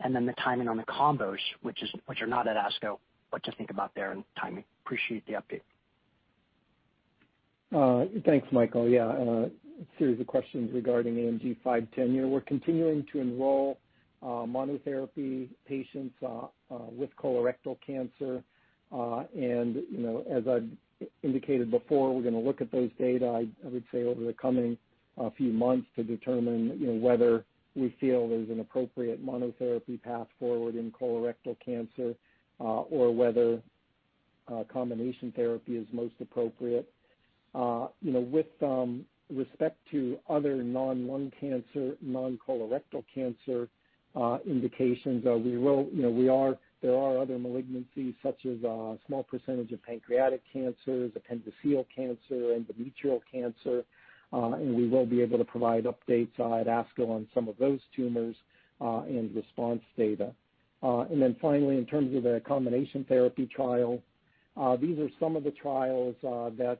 Then the timing on the combos, which are not at ASCO, what to think about there and timing. Appreciate the update. Thanks, Michael. Yeah. A series of questions regarding AMG 510. We're continuing to enroll monotherapy patients with colorectal cancer. As I've indicated before, we're going to look at those data, I would say, over the coming few months to determine whether we feel there's an appropriate monotherapy path forward in colorectal cancer, or whether combination therapy is most appropriate. With respect to other non-lung cancer, non-colorectal cancer indications, there are other malignancies such as a small percentage of pancreatic cancers, appendiceal cancer, endometrial cancer, we will be able to provide updates at ASCO on some of those tumors and response data. Finally, in terms of the combination therapy trial, these are some of the trials that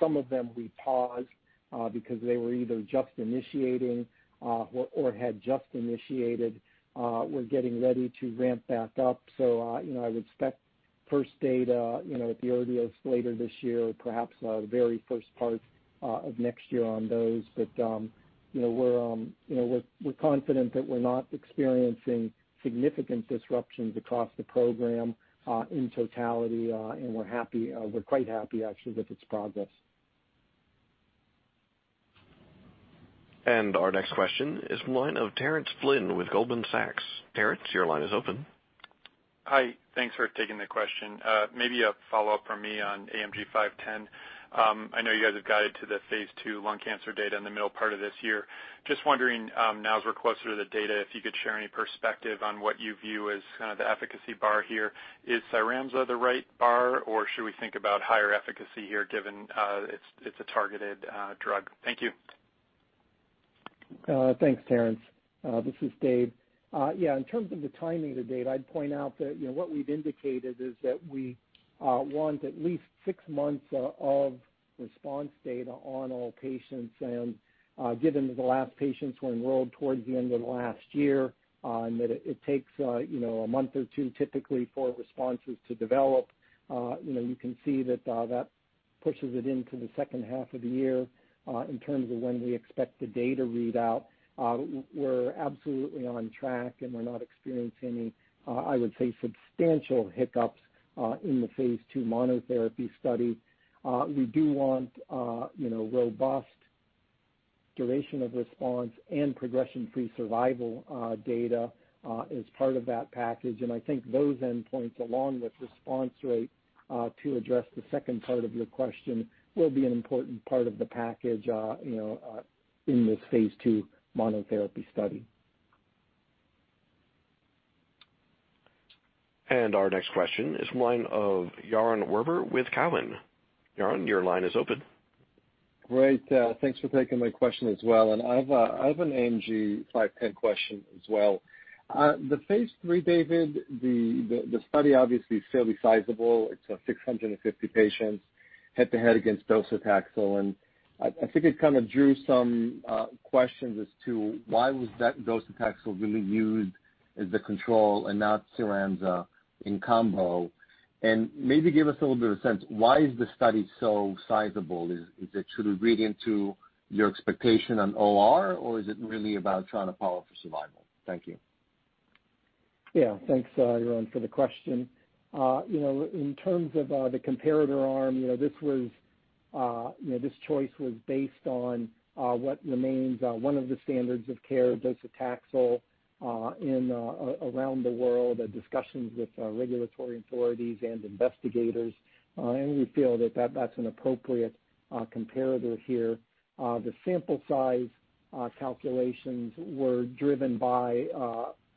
some of them we paused because they were either just initiating or had just initiated. We're getting ready to ramp back up. I would expect first data at the earliest later this year or perhaps the very first part of next year on those. We're confident that we're not experiencing significant disruptions across the program in totality, and we're quite happy, actually, with its progress. Our next question is from the line of Terence Flynn with Goldman Sachs. Terence, your line is open. Hi. Thanks for taking the question. Maybe a follow-up from me on AMG 510. I know you guys have guided to the phase II lung cancer data in the middle part of this year. Just wondering now as we're closer to the data, if you could share any perspective on what you view as kind of the efficacy bar here. Is Cyramza the right bar, or should we think about higher efficacy here given it's a targeted drug? Thank you. Thanks, Terence. This is David. Yeah, in terms of the timing of the data, I'd point out that what we've indicated is that we want at least six months of response data on all patients. Given that the last patients were enrolled towards the end of last year and that it takes a month or two typically for responses to develop, you can see that pushes it into the second half of the year in terms of when we expect the data readout. We're absolutely on track, we're not experiencing any, I would say, substantial hiccups in the phase II monotherapy study. We do want robust duration of response and progression-free survival data as part of that package. I think those endpoints, along with response rate, to address the second part of your question, will be an important part of the package in this phase II monotherapy study. Our next question is from the line of Yaron Werber with Cowen. Yaron, your line is open. Great. Thanks for taking my question as well. I have an AMG 510 question as well. The phase III, David, the study obviously is fairly sizable. It's 650 patients head-to-head against docetaxel. I think it kind of drew some questions as to why was docetaxel really used as the control and not Cyramza in combo. Maybe give us a little bit of a sense, why is the study so sizable? Should it read into your expectation on OR, or is it really about trying to power for survival? Thank you. Yeah. Thanks, Yaron, for the question. In terms of the comparator arm, this choice was based on what remains one of the standards of care, docetaxel, in around the world, discussions with regulatory authorities and investigators. We feel that that's an appropriate comparator here. The sample size calculations were driven by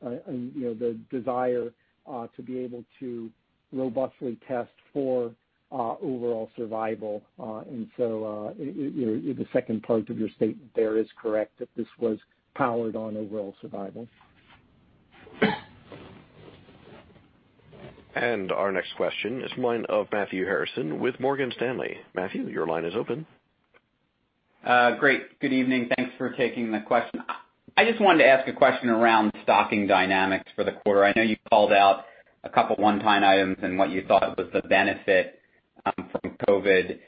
the desire to be able to robustly test for overall survival. The second part of your statement there is correct, that this was powered on overall survival. Our next question is from the line of Matthew Harrison with Morgan Stanley. Matthew, your line is open. Great. Good evening. Thanks for taking the question. I just wanted to ask a question around stocking dynamics for the quarter. I know you called out a couple one-time items and what you thought was the benefit from COVID.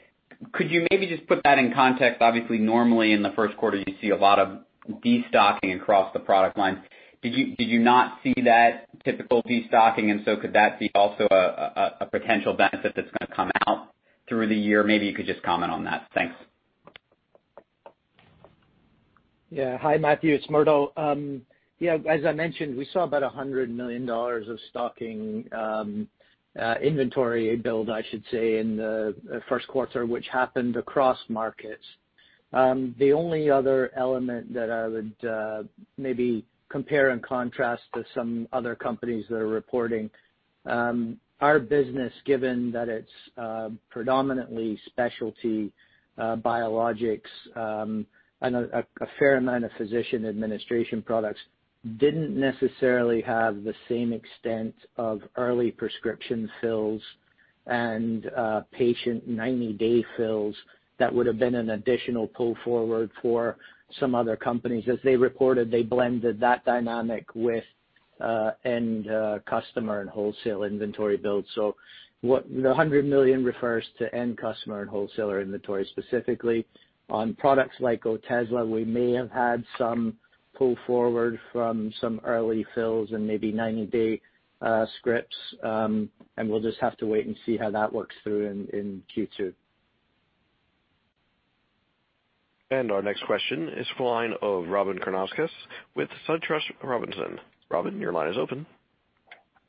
Could you maybe just put that in context? Obviously, normally in the first quarter, you see a lot of destocking across the product lines. Did you not see that typical destocking? Could that be also a potential benefit that's going to come out through the year? Maybe you could just comment on that. Thanks. Yeah. Hi, Matthew. It's Murdo. As I mentioned, we saw about $100 million of stocking inventory build, I should say, in the first quarter, which happened across markets. The only other element that I would maybe compare and contrast to some other companies that are reporting, our business, given that it's predominantly specialty biologics and a fair amount of physician administration products, didn't necessarily have the same extent of early prescription fills and patient 90-day fills that would have been an additional pull forward for some other companies. As they reported, they blended that dynamic with end customer and wholesale inventory build. The $100 million refers to end customer and wholesaler inventory, specifically. On products like Otezla, we may have had some pull forward from some early fills and maybe 90-day scripts, and we'll just have to wait and see how that works through in Q2. Our next question is from the line of Robyn Karnauskas with SunTrust Robinson Humphrey. Robyn, your line is open.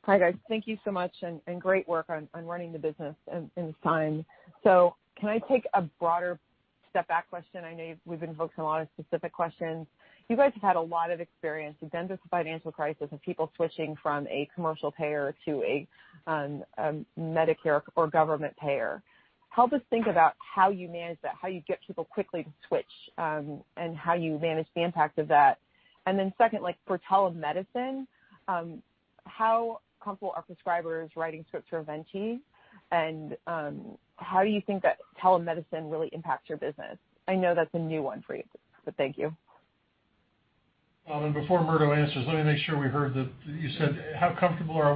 Hi, guys. Thank you so much, and great work on running the business in this time. Can I take a broader step back question? I know we've been focusing on a lot of specific questions. You guys have had a lot of experience. You've been through financial crisis and people switching from a commercial payer to a Medicare or government payer. Help us think about how you manage that, how you get people quickly to switch, and how you manage the impact of that. Second, for telemedicine, how comfortable are prescribers writing scripts for EVENITY, and how do you think that telemedicine really impacts your business? I know that's a new one for you, but thank you. Before Murdo answers, let me make sure we heard that. You said, how comfortable are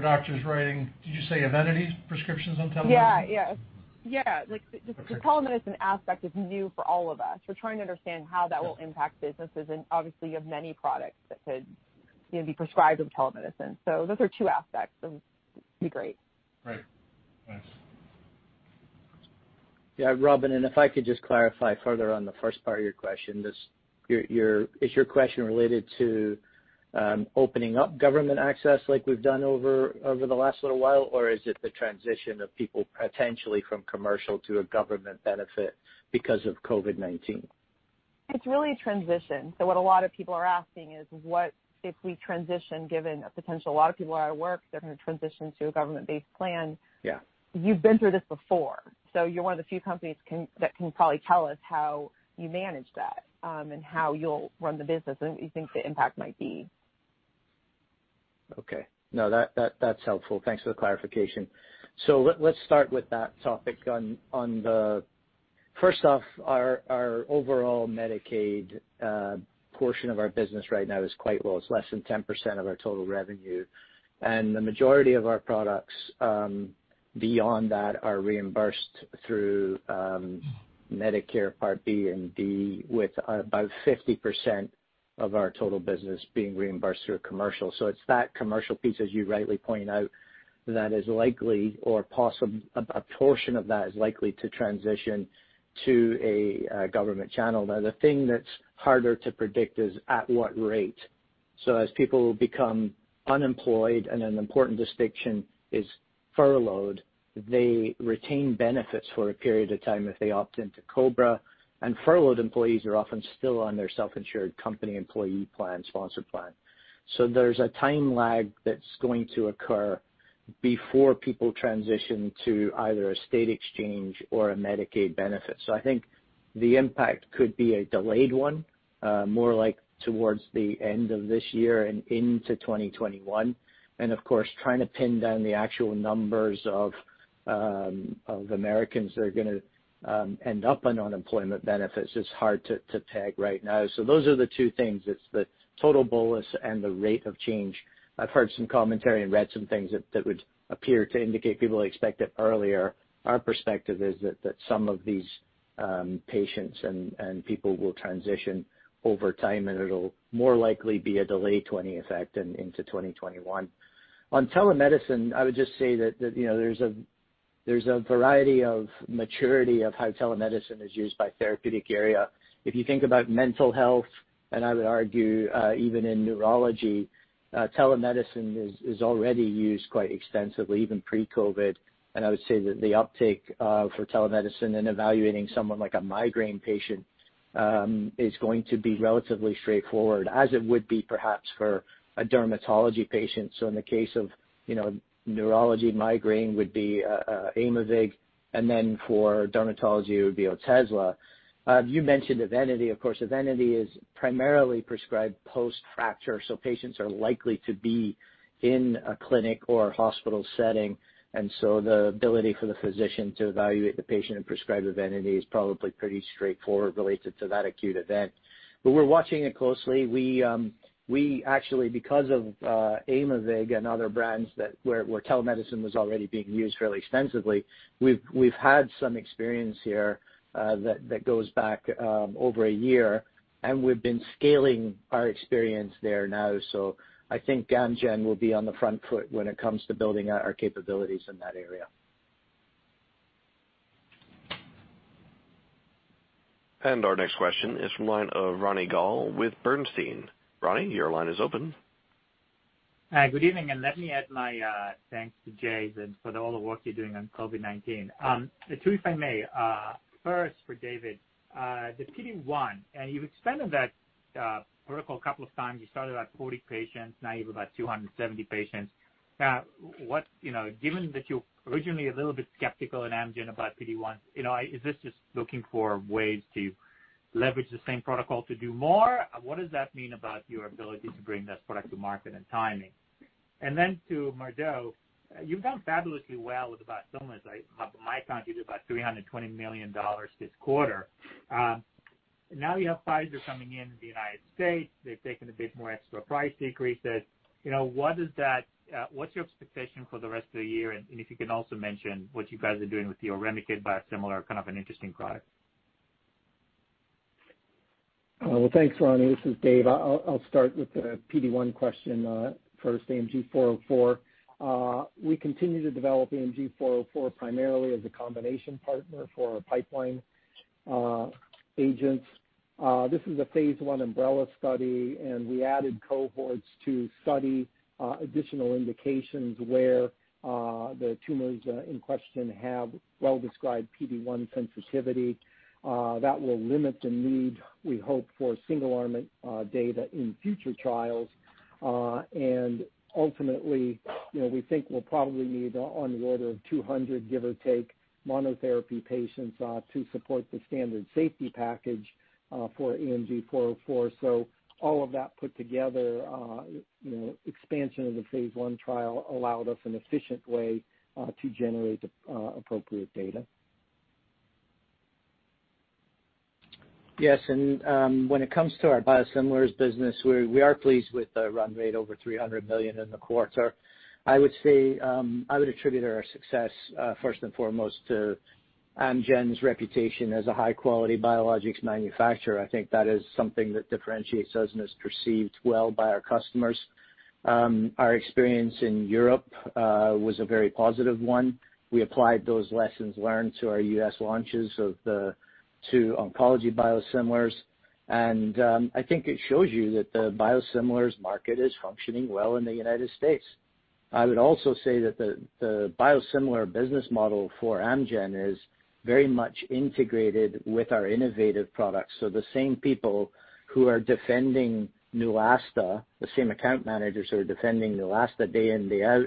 doctors writing, did you say EVENITY prescriptions on telemedicine? Yeah. The telemedicine aspect is new for all of us. We're trying to understand how that will impact businesses, and obviously you have many products that could be prescribed with telemedicine. Those are two aspects that would be great. Right. Thanks. Yeah, Robyn, if I could just clarify further on the first part of your question. Is your question related to opening up government access like we've done over the last little while, or is it the transition of people potentially from commercial to a government benefit because of COVID-19? It's really a transition. What a lot of people are asking is, if we transition. A lot of people at our work, they're going to transition to a government-based plan. You've been through this before, so you're one of the few companies that can probably tell us how you manage that and how you'll run the business and what you think the impact might be. Okay. No, that's helpful. Thanks for the clarification. Let's start with that topic. First off, our overall Medicaid portion of our business right now is quite low. It's less than 10% of our total revenue. The majority of our products beyond that are reimbursed through Medicare Part B and Part D, with about 50% Of our total business being reimbursed through a commercial. It's that commercial piece, as you rightly point out, that a portion of that is likely to transition to a government channel. The thing that's harder to predict is at what rate. As people become unemployed, and an important distinction is furloughed, they retain benefits for a period of time if they opt into COBRA, and furloughed employees are often still on their self-insured company employee plan, sponsor plan. There's a time lag that's going to occur before people transition to either a state exchange or a Medicaid benefit. I think the impact could be a delayed one, more like towards the end of this year and into 2021. Of course, trying to pin down the actual numbers of Americans that are going to end up on unemployment benefits is hard to tag right now. Those are the two things. It's the total bolus and the rate of change. I've heard some commentary and read some things that would appear to indicate people expect it earlier. Our perspective is that some of these patients and people will transition over time, and it'll more likely be a delayed effect into 2021. Telemedicine, I would just say that there's a variety of maturity of how telemedicine is used by therapeutic area. If you think about mental health, and I would argue even in neurology, telemedicine is already used quite extensively, even pre-COVID. I would say that the uptake for telemedicine in evaluating someone like a migraine patient is going to be relatively straightforward, as it would be perhaps for a dermatology patient. In the case of neurology, migraine would be Aimovig, and then for dermatology, it would be Otezla. You mentioned EVENITY. Of course, EVENITY is primarily prescribed post-fracture, patients are likely to be in a clinic or a hospital setting. The ability for the physician to evaluate the patient and prescribe EVENITY is probably pretty straightforward related to that acute event. We're watching it closely. We actually, because of Aimovig and other brands where telemedicine was already being used fairly extensively, we've had some experience here that goes back over a year, and we've been scaling our experience there now. I think Amgen will be on the front foot when it comes to building out our capabilities in that area. Our next question is from the line of Ronny Gal with Bernstein. Ronny, your line is open. Hi, good evening. Let me add my thanks to Jay for all the work you're doing on COVID-19. Two, if I may. First, for David, the PD-1. You've expanded that protocol a couple of times. You started at 40 patients, now you have about 270 patients. Given that you were originally a little bit skeptical at Amgen about PD-1, is this just looking for ways to leverage the same protocol to do more? What does that mean about your ability to bring this product to market and timing? Then to Murdo, you've done fabulously well with biosimilars. By my count, you did about $320 million this quarter. Now you have Pfizer coming in the U.S. They've taken a bit more extra price decreases. What's your expectation for the rest of the year? If you can also mention what you guys are doing with your REMICADE biosimilar, kind of an interesting product. Thanks, Ronny. This is David. I'll start with the PD-1 question first, AMG 404. We continue to develop AMG 404 primarily as a combination partner for our pipeline agents. This is a phase I umbrella study. We added cohorts to study additional indications where the tumors in question have well-described PD-1 sensitivity. That will limit the need, we hope, for single-arm data in future trials. Ultimately, we think we'll probably need on the order of 200, give or take, monotherapy patients to support the standard safety package for AMG 404. All of that put together, expansion of the phase I trial allowed us an efficient way to generate the appropriate data. Yes, when it comes to our biosimilars business, we are pleased with the run rate over $300 million in the quarter. I would attribute our success first and foremost to Amgen's reputation as a high-quality biologics manufacturer. I think that is something that differentiates us and is perceived well by our customers. Our experience in Europe was a very positive one. We applied those lessons learned to our U.S. launches of the two oncology biosimilars, I think it shows you that the biosimilars market is functioning well in the United States. I would also say that the biosimilar business model for Amgen is very much integrated with our innovative products. The same people who are defending Neulasta, the same account managers who are defending Neulasta day in, day out,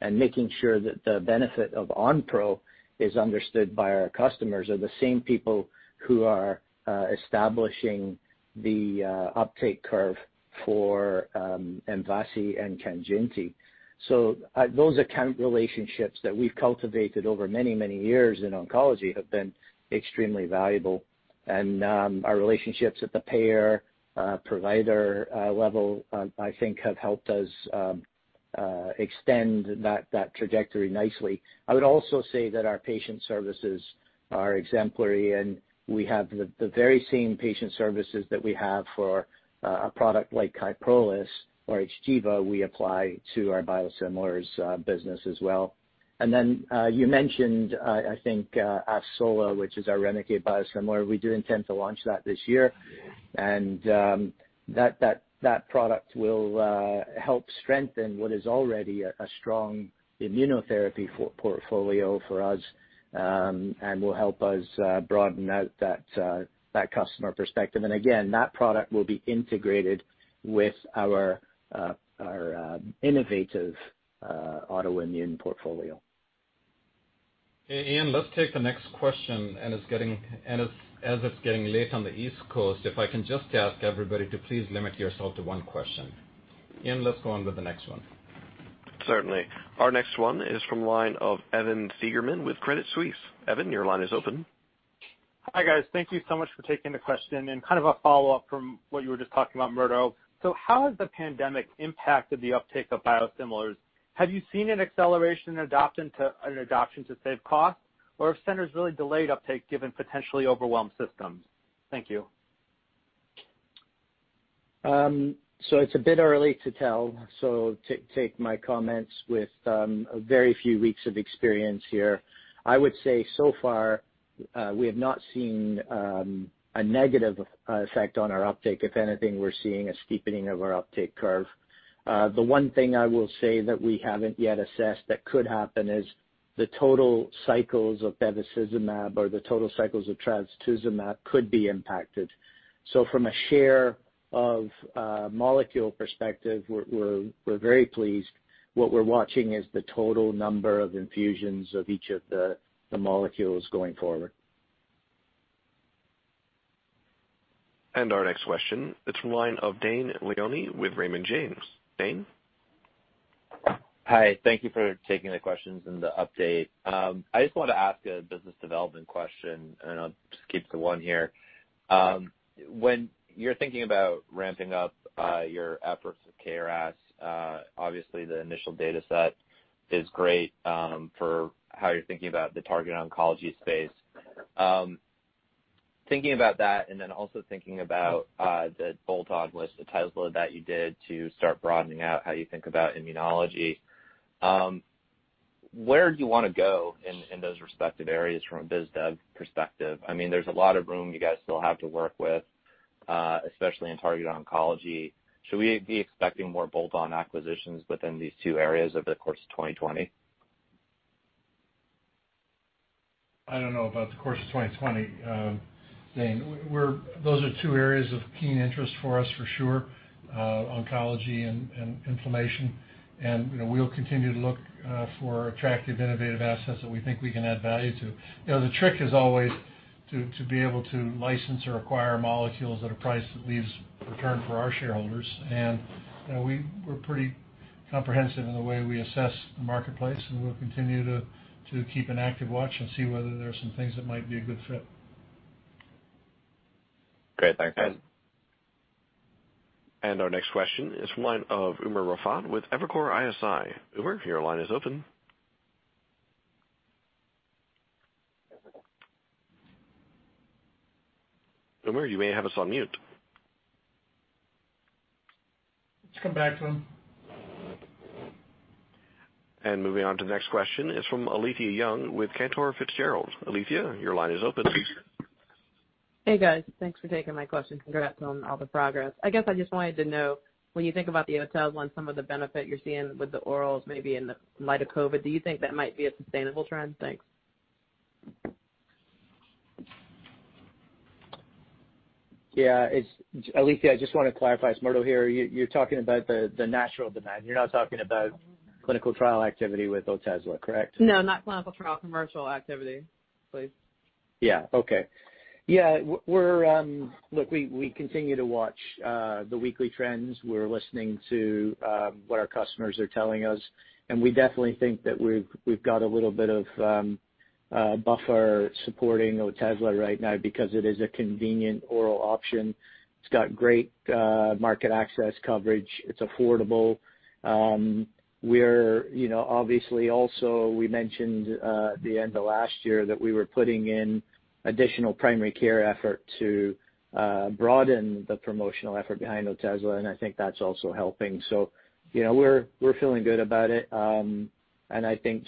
and making sure that the benefit of Onpro is understood by our customers are the same people who are establishing the uptake curve for Mvasi and Kanjinti. Those account relationships that we've cultivated over many, many years in oncology have been extremely valuable, and our relationships at the payer/provider level, I think have helped us extend that trajectory nicely. I would also say that our patient services are exemplary, and we have the very same patient services that we have for a product like KYPROLIS or XGEVA, we apply to our biosimilars business as well. Then you mentioned, I think, AVSOLA, which is our REMICADE biosimilar. We do intend to launch that this year, and that product will help strengthen what is already a strong immunotherapy portfolio for us, and will help us broaden out that customer perspective. Again, that product will be integrated with our innovative autoimmune portfolio. Ian, let's take the next question. As it's getting late on the East Coast, if I can just ask everybody to please limit yourself to one question. Ian, let's go on to the next one. Certainly. Our next one is from line of Evan Seigerman with Credit Suisse. Evan, your line is open. Hi, guys. Thank you so much for taking the question, kind of a follow-up from what you were just talking about, Murdo. How has the pandemic impacted the uptake of biosimilars? Have you seen an acceleration in adoption to save costs? Have centers really delayed uptake given potentially overwhelmed systems? Thank you. It's a bit early to tell. Take my comments with very few weeks of experience here. I would say, so far, we have not seen a negative effect on our uptake. If anything, we're seeing a steepening of our uptake curve. The one thing I will say that we haven't yet assessed that could happen is the total cycles of bevacizumab, or the total cycles of trastuzumab could be impacted. From a share of a molecule perspective, we're very pleased. What we're watching is the total number of infusions of each of the molecules going forward. Our next question is from line of Dane Leone with Raymond James. Dane? Hi. Thank you for taking the questions and the update. I just wanted to ask a business development question, and I'll just keep to one here. When you're thinking about ramping up your efforts with KRAS, obviously the initial data set is great for how you're thinking about the targeted oncology space. Thinking about that, thinking about the bolt-on with Otezla that you did to start broadening out how you think about immunology. Where do you want to go in those respective areas from a biz dev perspective? There's a lot of room you guys still have to work with, especially in targeted oncology. Should we be expecting more bolt-on acquisitions within these two areas over the course of 2020? I don't know about the course of 2020, Dane. Those are two areas of keen interest for us, for sure, oncology and inflammation. We'll continue to look for attractive, innovative assets that we think we can add value to. The trick is always to be able to license or acquire molecules at a price that leaves return for our shareholders. We're pretty comprehensive in the way we assess the marketplace, and we'll continue to keep an active watch and see whether there are some things that might be a good fit. Great. Thanks, guys. Our next question is from line of Umer Raffat with Evercore ISI. Umer, your line is open. Umer, you may have us on mute. It's come back to him. Moving on to the next question is from Alethia Young with Cantor Fitzgerald. Alethea, your line is open. Hey, guys. Thanks for taking my question. Congrats on all the progress. I guess I just wanted to know, when you think about the Otezla and some of the benefit you're seeing with the orals, maybe in light of COVID, do you think that might be a sustainable trend? Thanks. Yeah. Alethea, I just want to clarify. It's Murdo here. You're talking about the natural demand. You're not talking about clinical trial activity with Otezla, correct? No, not clinical trial. Commercial activity, please. Yeah. Okay. Yeah. Look, we continue to watch the weekly trends. We're listening to what our customers are telling us, and we definitely think that we've got a little bit of buffer supporting Otezla right now because it is a convenient oral option. It's got great market access coverage. It's affordable. Obviously, also, we mentioned at the end of last year that we were putting in additional primary care effort to broaden the promotional effort behind Otezla, and I think that's also helping. We're feeling good about it. I think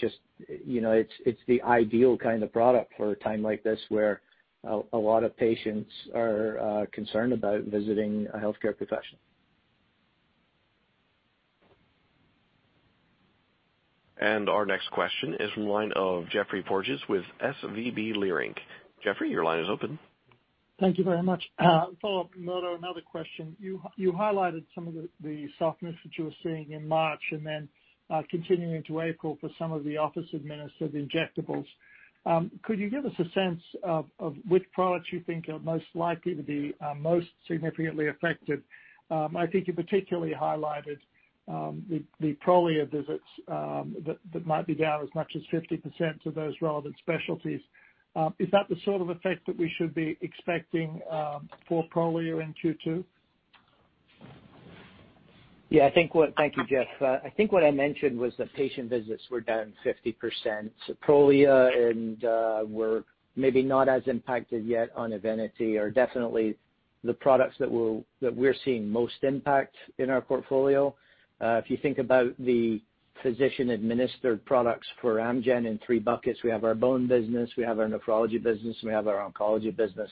it's the ideal kind of product for a time like this, where a lot of patients are concerned about visiting a healthcare professional. Our next question is from line of Geoffrey Porges with SVB Leerink. Geoffrey, your line is open. Thank you very much. A follow-up, Murdo, another question. You highlighted some of the softness that you were seeing in March, and then continuing into April for some of the office administered injectables. Could you give us a sense of which products you think are most likely to be most significantly affected? I think you particularly highlighted the Prolia visits that might be down as much as 50% to those relevant specialties. Is that the sort of effect that we should be expecting for Prolia in Q2? Thank you, Geoff. I think what I mentioned was that patient visits were down 50%. Prolia and we're maybe not as impacted yet on EVENITY are definitely the products that we're seeing most impact in our portfolio. If you think about the physician-administered products for Amgen in three buckets, we have our bone business, we have our nephrology business, and we have our oncology business.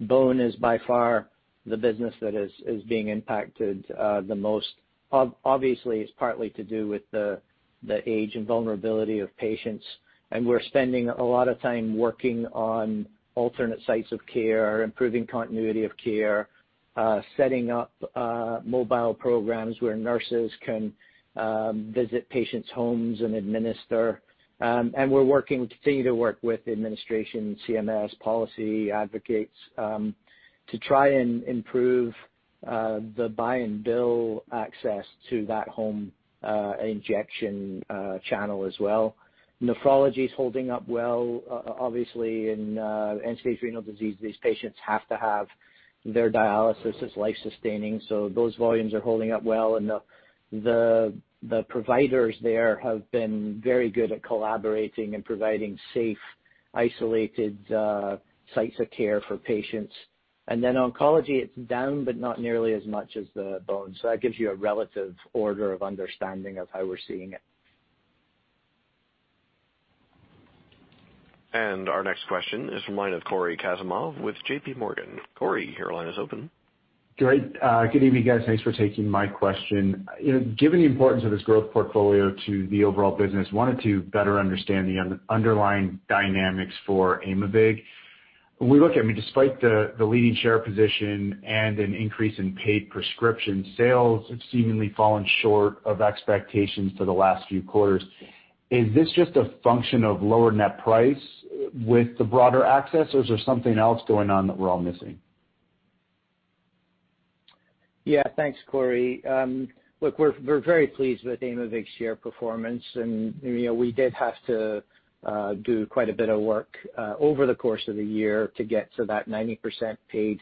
Bone is by far the business that is being impacted the most. Obviously, it's partly to do with the age and vulnerability of patients, and we're spending a lot of time working on alternate sites of care, improving continuity of care, setting up mobile programs where nurses can visit patients' homes and administer. We're working, continue to work with the administration, CMS policy advocates, to try and improve the buy and bill access to that home injection channel as well. Nephrology is holding up well. Obviously, in end-stage renal disease, these patients have to have their dialysis. It's life-sustaining, so those volumes are holding up well, and the providers there have been very good at collaborating and providing safe, isolated sites of care for patients. Oncology, it's down, but not nearly as much as the bone. That gives you a relative order of understanding of how we're seeing it. Our next question is from the line of Cory Kasimov with JPMorgan. Cory, your line is open. Great. Good evening, guys. Thanks for taking my question. Given the importance of this growth portfolio to the overall business, wanted to better understand the underlying dynamics for Aimovig. I mean, despite the leading share position and an increase in paid prescription sales, it's seemingly fallen short of expectations for the last few quarters. Is this just a function of lower net price with the broader access, or is there something else going on that we're all missing? Yeah. Thanks, Cory. Look, we're very pleased with Aimovig's share performance. We did have to do quite a bit of work over the course of the year to get to that 90% paid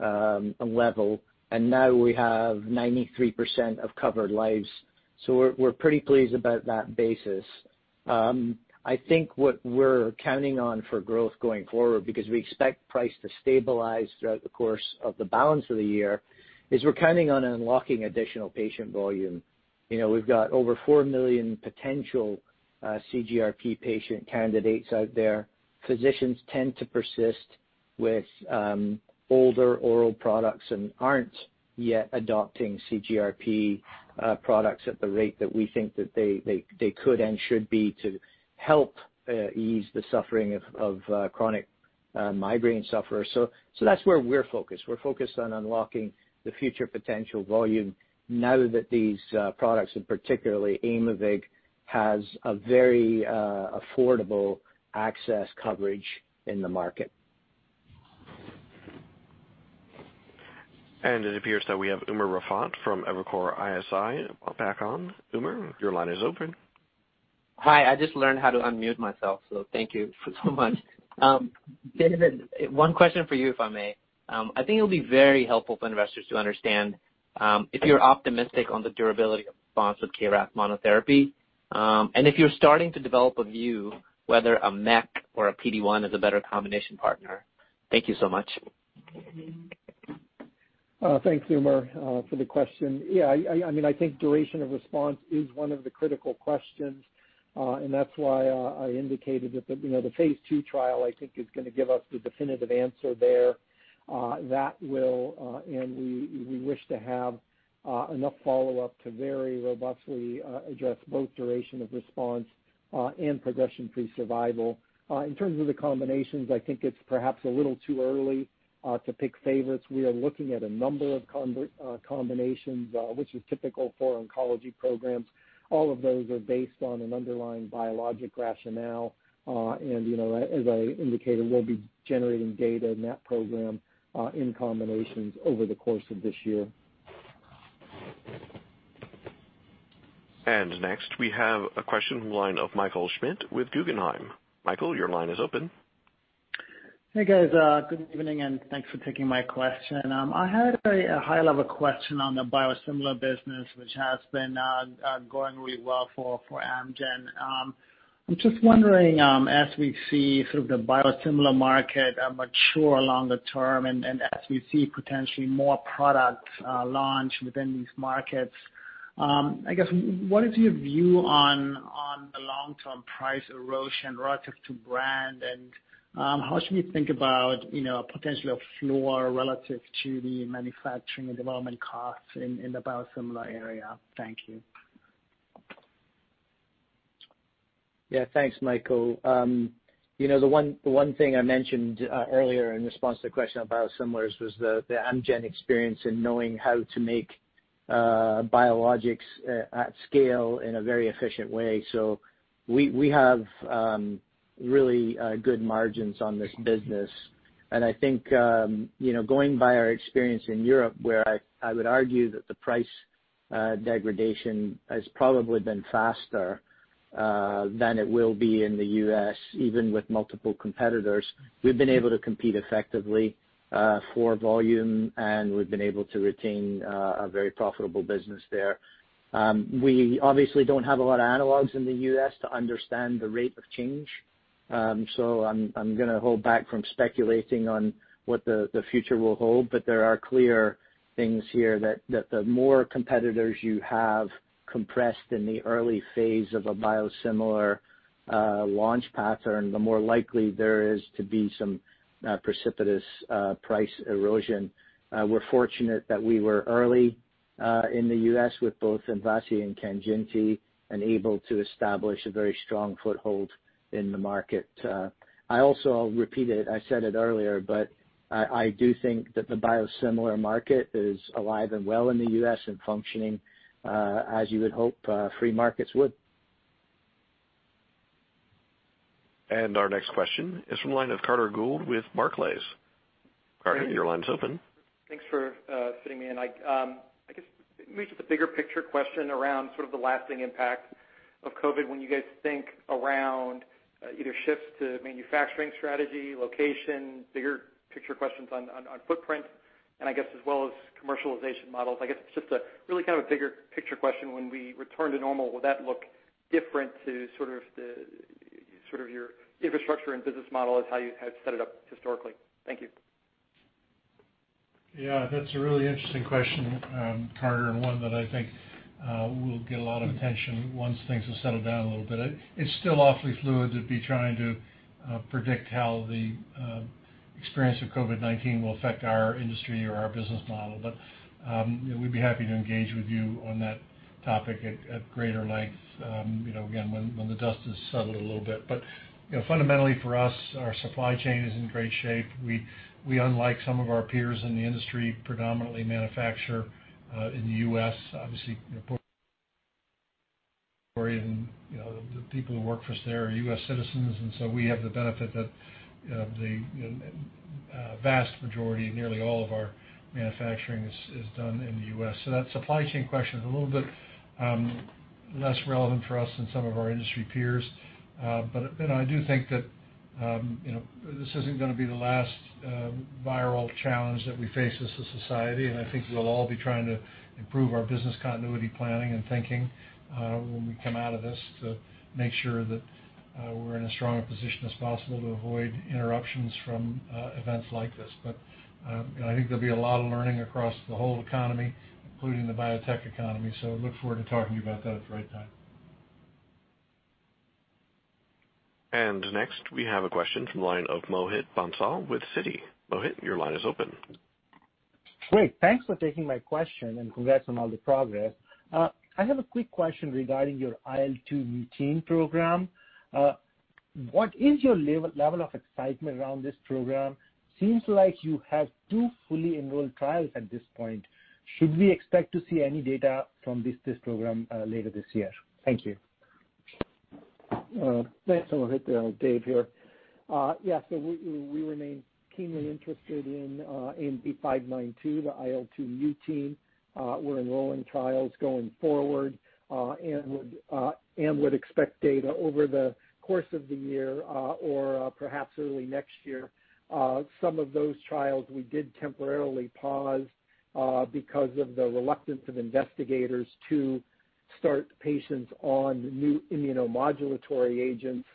level. Now we have 93% of covered lives. We're pretty pleased about that basis. I think what we're counting on for growth going forward, because we expect price to stabilize throughout the course of the balance of the year, is we're counting on unlocking additional patient volume. We've got over four million potential CGRP patient candidates out there. Physicians tend to persist with older oral products and aren't yet adopting CGRP products at the rate that we think that they could and should be to help ease the suffering of chronic migraine sufferers. That's where we're focused. We're focused on unlocking the future potential volume now that these products, and particularly Aimovig, has a very affordable access coverage in the market. It appears that we have Umer Raffat from Evercore ISI back on. Umer, your line is open. Hi. I just learned how to unmute myself, so thank you so much. David, one question for you, if I may. I think it'll be very helpful for investors to understand if you're optimistic on the durability of response with KRAS monotherapy. If you're starting to develop a view whether a MEK or a PD-1 is a better combination partner. Thank you so much. Thanks, Umer, for the question. I think duration of response is one of the critical questions. That's why I indicated that the phase II trial, I think, is going to give us the definitive answer there. We wish to have enough follow-up to very robustly address both duration of response and progression-free survival. In terms of the combinations, I think it's perhaps a little too early to pick favorites. We are looking at a number of combinations, which is typical for oncology programs. All of those are based on an underlying biologic rationale. As I indicated, we'll be generating data in that program in combinations over the course of this year. Next, we have a question from the line of Michael Schmidt with Guggenheim. Michael, your line is open. Hey, guys. Good evening, and thanks for taking my question. I had a high-level question on the biosimilar business, which has been going really well for Amgen. I'm just wondering, as we see sort of the biosimilar market mature along the term and as we see potentially more products launch within these markets, I guess, what is your view on the long-term price erosion relative to brand, and how should we think about potential of floor relative to the manufacturing and development costs in the biosimilar area? Thank you. Yeah. Thanks, Michael. The one thing I mentioned earlier in response to the question on biosimilars was the Amgen experience in knowing how to make biologics at scale in a very efficient way. We have really good margins on this business. I think going by our experience in Europe, where I would argue that the price degradation has probably been faster than it will be in the U.S., even with multiple competitors. We've been able to compete effectively for volume, and we've been able to retain a very profitable business there. We obviously don't have a lot of analogs in the U.S. to understand the rate of change. I'm going to hold back from speculating on what the future will hold. There are clear things here that the more competitors you have compressed in the early phase of a biosimilar launch pattern, the more likely there is to be some precipitous price erosion. We're fortunate that we were early in the U.S. with both ENBREL and Kanjinti and able to establish a very strong foothold in the market. I also, I'll repeat it, I said it earlier, but I do think that the biosimilar market is alive and well in the U.S. and functioning as you would hope free markets would. Our next question is from the line of Carter Gould with Barclays. Carter, your line's open. Thanks for fitting me in. I guess maybe just a bigger picture question around sort of the lasting impact of COVID when you guys think around either shifts to manufacturing strategy, location, bigger picture questions on footprint and I guess as well as commercialization models. I guess it's just a really kind of a bigger picture question. When we return to normal, will that look different to sort of your infrastructure and business model as how you had set it up historically? Thank you. Yeah, that's a really interesting question, Carter, and one that I think will get a lot of attention once things have settled down a little bit. It's still awfully fluid to be trying to predict how the experience of COVID-19 will affect our industry or our business model. We'd be happy to engage with you on that topic at greater length, again, when the dust has settled a little bit. Fundamentally for us, our supply chain is in great shape. We, unlike some of our peers in the industry, predominantly manufacture in the U.S. Obviously, Puerto Rico, the people who work for us there are U.S. citizens, and so we have the benefit that the vast majority, nearly all of our manufacturing is done in the U.S. That supply chain question is a little bit less relevant for us than some of our industry peers. I do think that this isn't going to be the last viral challenge that we face as a society. I think we'll all be trying to improve our business continuity planning and thinking when we come out of this to make sure that we're in as strong a position as possible to avoid interruptions from events like this. I think there'll be a lot of learning across the whole economy, including the biotech economy. I look forward to talking to you about that at the right time. Next we have a question from the line of Mohit Bansal with Citi. Mohit, your line is open. Great. Thanks for taking my question, and congrats on all the progress. I have a quick question regarding your IL-2 mutein program. What is your level of excitement around this program? Seems like you have two fully enrolled trials at this point. Should we expect to see any data from this program later this year? Thank you. Thanks, Mohit. David here. We remain keenly interested in AMG 592, the IL-2 mutein. We're enrolling trials going forward and would expect data over the course of the year or perhaps early next year. Some of those trials we did temporarily pause because of the reluctance of investigators to start patients on new immunomodulatory agents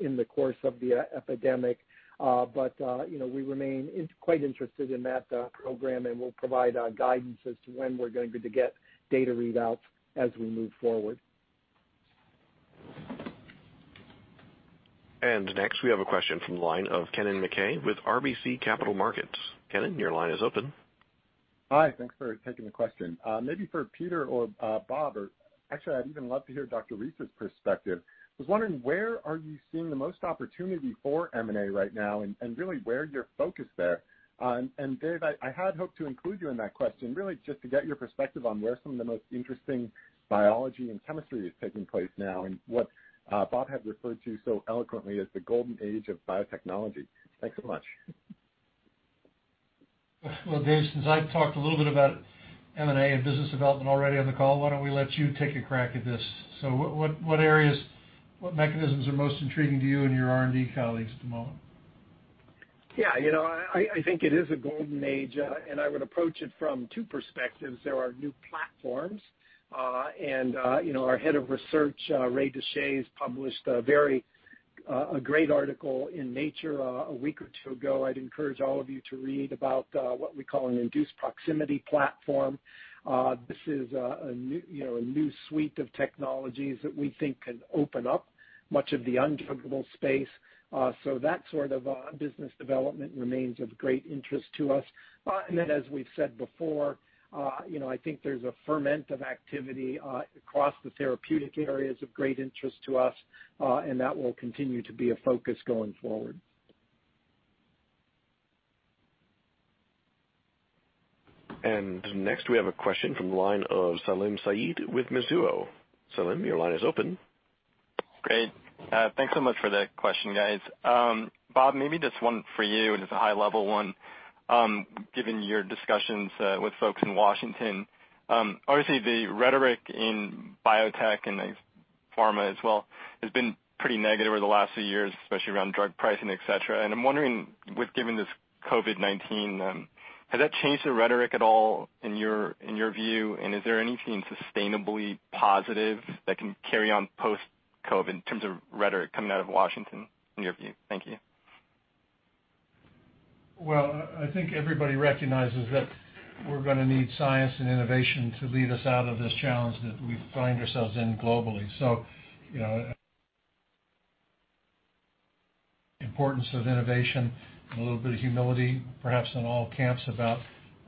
in the course of the epidemic. We remain quite interested in that program, and we'll provide guidance as to when we're going to get data readouts as we move forward. Next, we have a question from the line of Kennen MacKay with RBC Capital Markets. Kennen, your line is open. Hi. Thanks for taking the question. Maybe for Peter or Robert, or actually I'd even love to hear Dr. Reese's perspective. I was wondering, where are you seeing the most opportunity for M&A right now and really where you're focused there? David, I had hoped to include you in that question really just to get your perspective on where some of the most interesting biology and chemistry is taking place now and what Robert had referred to so eloquently as the golden age of biotechnology. Thanks so much. David, since I've talked a little bit about M&A and business development already on the call, why don't we let you take a crack at this? What areas, what mechanisms are most intriguing to you and your R&D colleagues at the moment? Yeah. I think it is a golden age. I would approach it from two perspectives. There are new platforms. Our head of research, Ray Deshaies, published a great article in Nature a week or two ago. I'd encourage all of you to read about what we call an induced proximity platform. This is a new suite of technologies that we think can open up much of the undruggable space. That sort of business development remains of great interest to us. As we've said before, I think there's a ferment of activity across the therapeutic areas of great interest to us, and that will continue to be a focus going forward. Next we have a question from the line of Salim Syed with Mizuho. Salim, your line is open. Great. Thanks so much for the question, guys. Robert, maybe this one for you. It's a high-level one, given your discussions with folks in Washington. Obviously, the rhetoric in biotech and pharma as well has been pretty negative over the last few years, especially around drug pricing, et cetera. I'm wondering with giving this COVID-19, has that changed the rhetoric at all in your view, and is there anything sustainably positive that can carry on post-COVID in terms of rhetoric coming out of Washington in your view? Thank you. Well, I think everybody recognizes that we're going to need science and innovation to lead us out of this challenge that we find ourselves in globally. Importance of innovation and a little bit of humility, perhaps in all camps about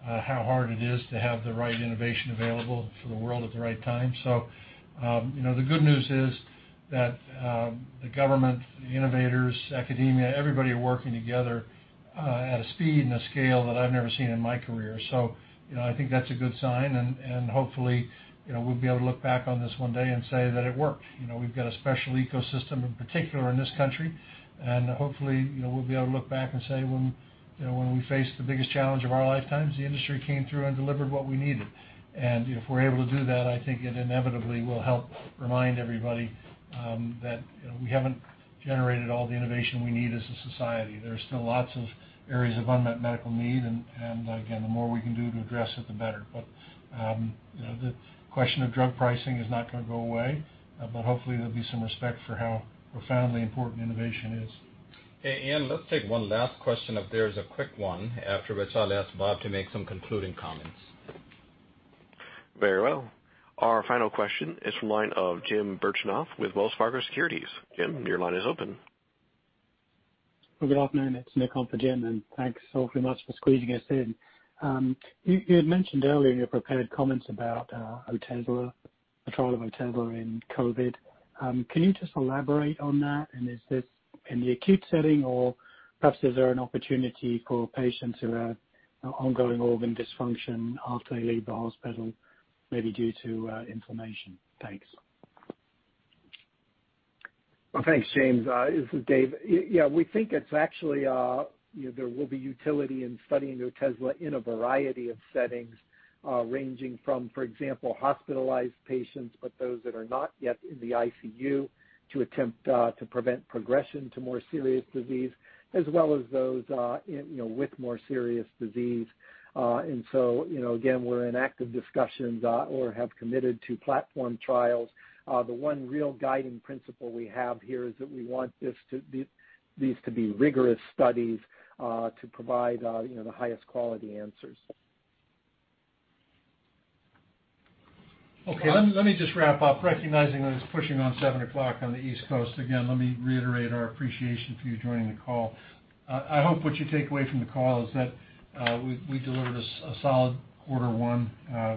how hard it is to have the right innovation available for the world at the right time. The good news is that the government, the innovators, academia, everybody are working together at a speed and a scale that I've never seen in my career. I think that's a good sign, and hopefully, we'll be able to look back on this one day and say that it worked. We've got a special ecosystem in particular in this country, and hopefully, we'll be able to look back and say when we faced the biggest challenge of our lifetimes, the industry came through and delivered what we needed. If we're able to do that, I think it inevitably will help remind everybody that we haven't generated all the innovation we need as a society. There are still lots of areas of unmet medical need, and again, the more we can do to address it, the better. The question of drug pricing is not going to go away, but hopefully there'll be some respect for how profoundly important innovation is. Hey, Ian, let's take one last question if there's a quick one, after which I'll ask Robert to make some concluding comments. Very well. Our final question is from the line of Jim Birchenough with Wells Fargo Securities. Jim, your line is open. Well, good afternoon. It's Nick on for Jim, and thanks awfully much for squeezing us in. You had mentioned earlier in your prepared comments about Otezla, the trial of Otezla in COVID. Can you just elaborate on that? Is this in the acute setting or perhaps is there an opportunity for patients who have ongoing organ dysfunction after they leave the hospital, maybe due to inflammation? Thanks. Well, thanks, Jim. This is David. Yeah, we think it's actually, there will be utility in studying Otezla in a variety of settings, ranging from, for example, hospitalized patients, but those that are not yet in the Intensive Care Unit to attempt to prevent progression to more serious disease, as well as those with more serious disease. Again, we're in active discussions or have committed to platform trials. The one real guiding principle we have here is that we want these to be rigorous studies to provide the highest quality answers. Okay, let me just wrap up, recognizing that it's pushing on seven o'clock on the East Coast. Again, let me reiterate our appreciation for you joining the call. I hope what you take away from the call is that we delivered a solid quarter one.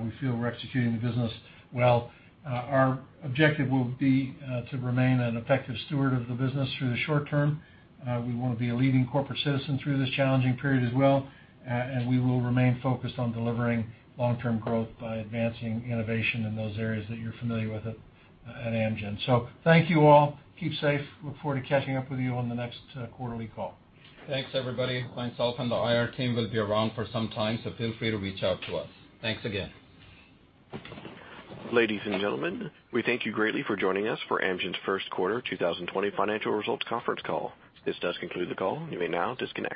We feel we're executing the business well. Our objective will be to remain an effective steward of the business through the short term. We want to be a leading corporate citizen through this challenging period as well. We will remain focused on delivering long-term growth by advancing innovation in those areas that you're familiar with at Amgen. Thank you all. Keep safe. Look forward to catching up with you on the next quarterly call. Thanks, everybody. Myself and the Investor Relations team will be around for some time, so feel free to reach out to us. Thanks again. Ladies and gentlemen, we thank you greatly for joining us for Amgen's first quarter 2020 financial results conference call. This does conclude the call. You may now disconnect.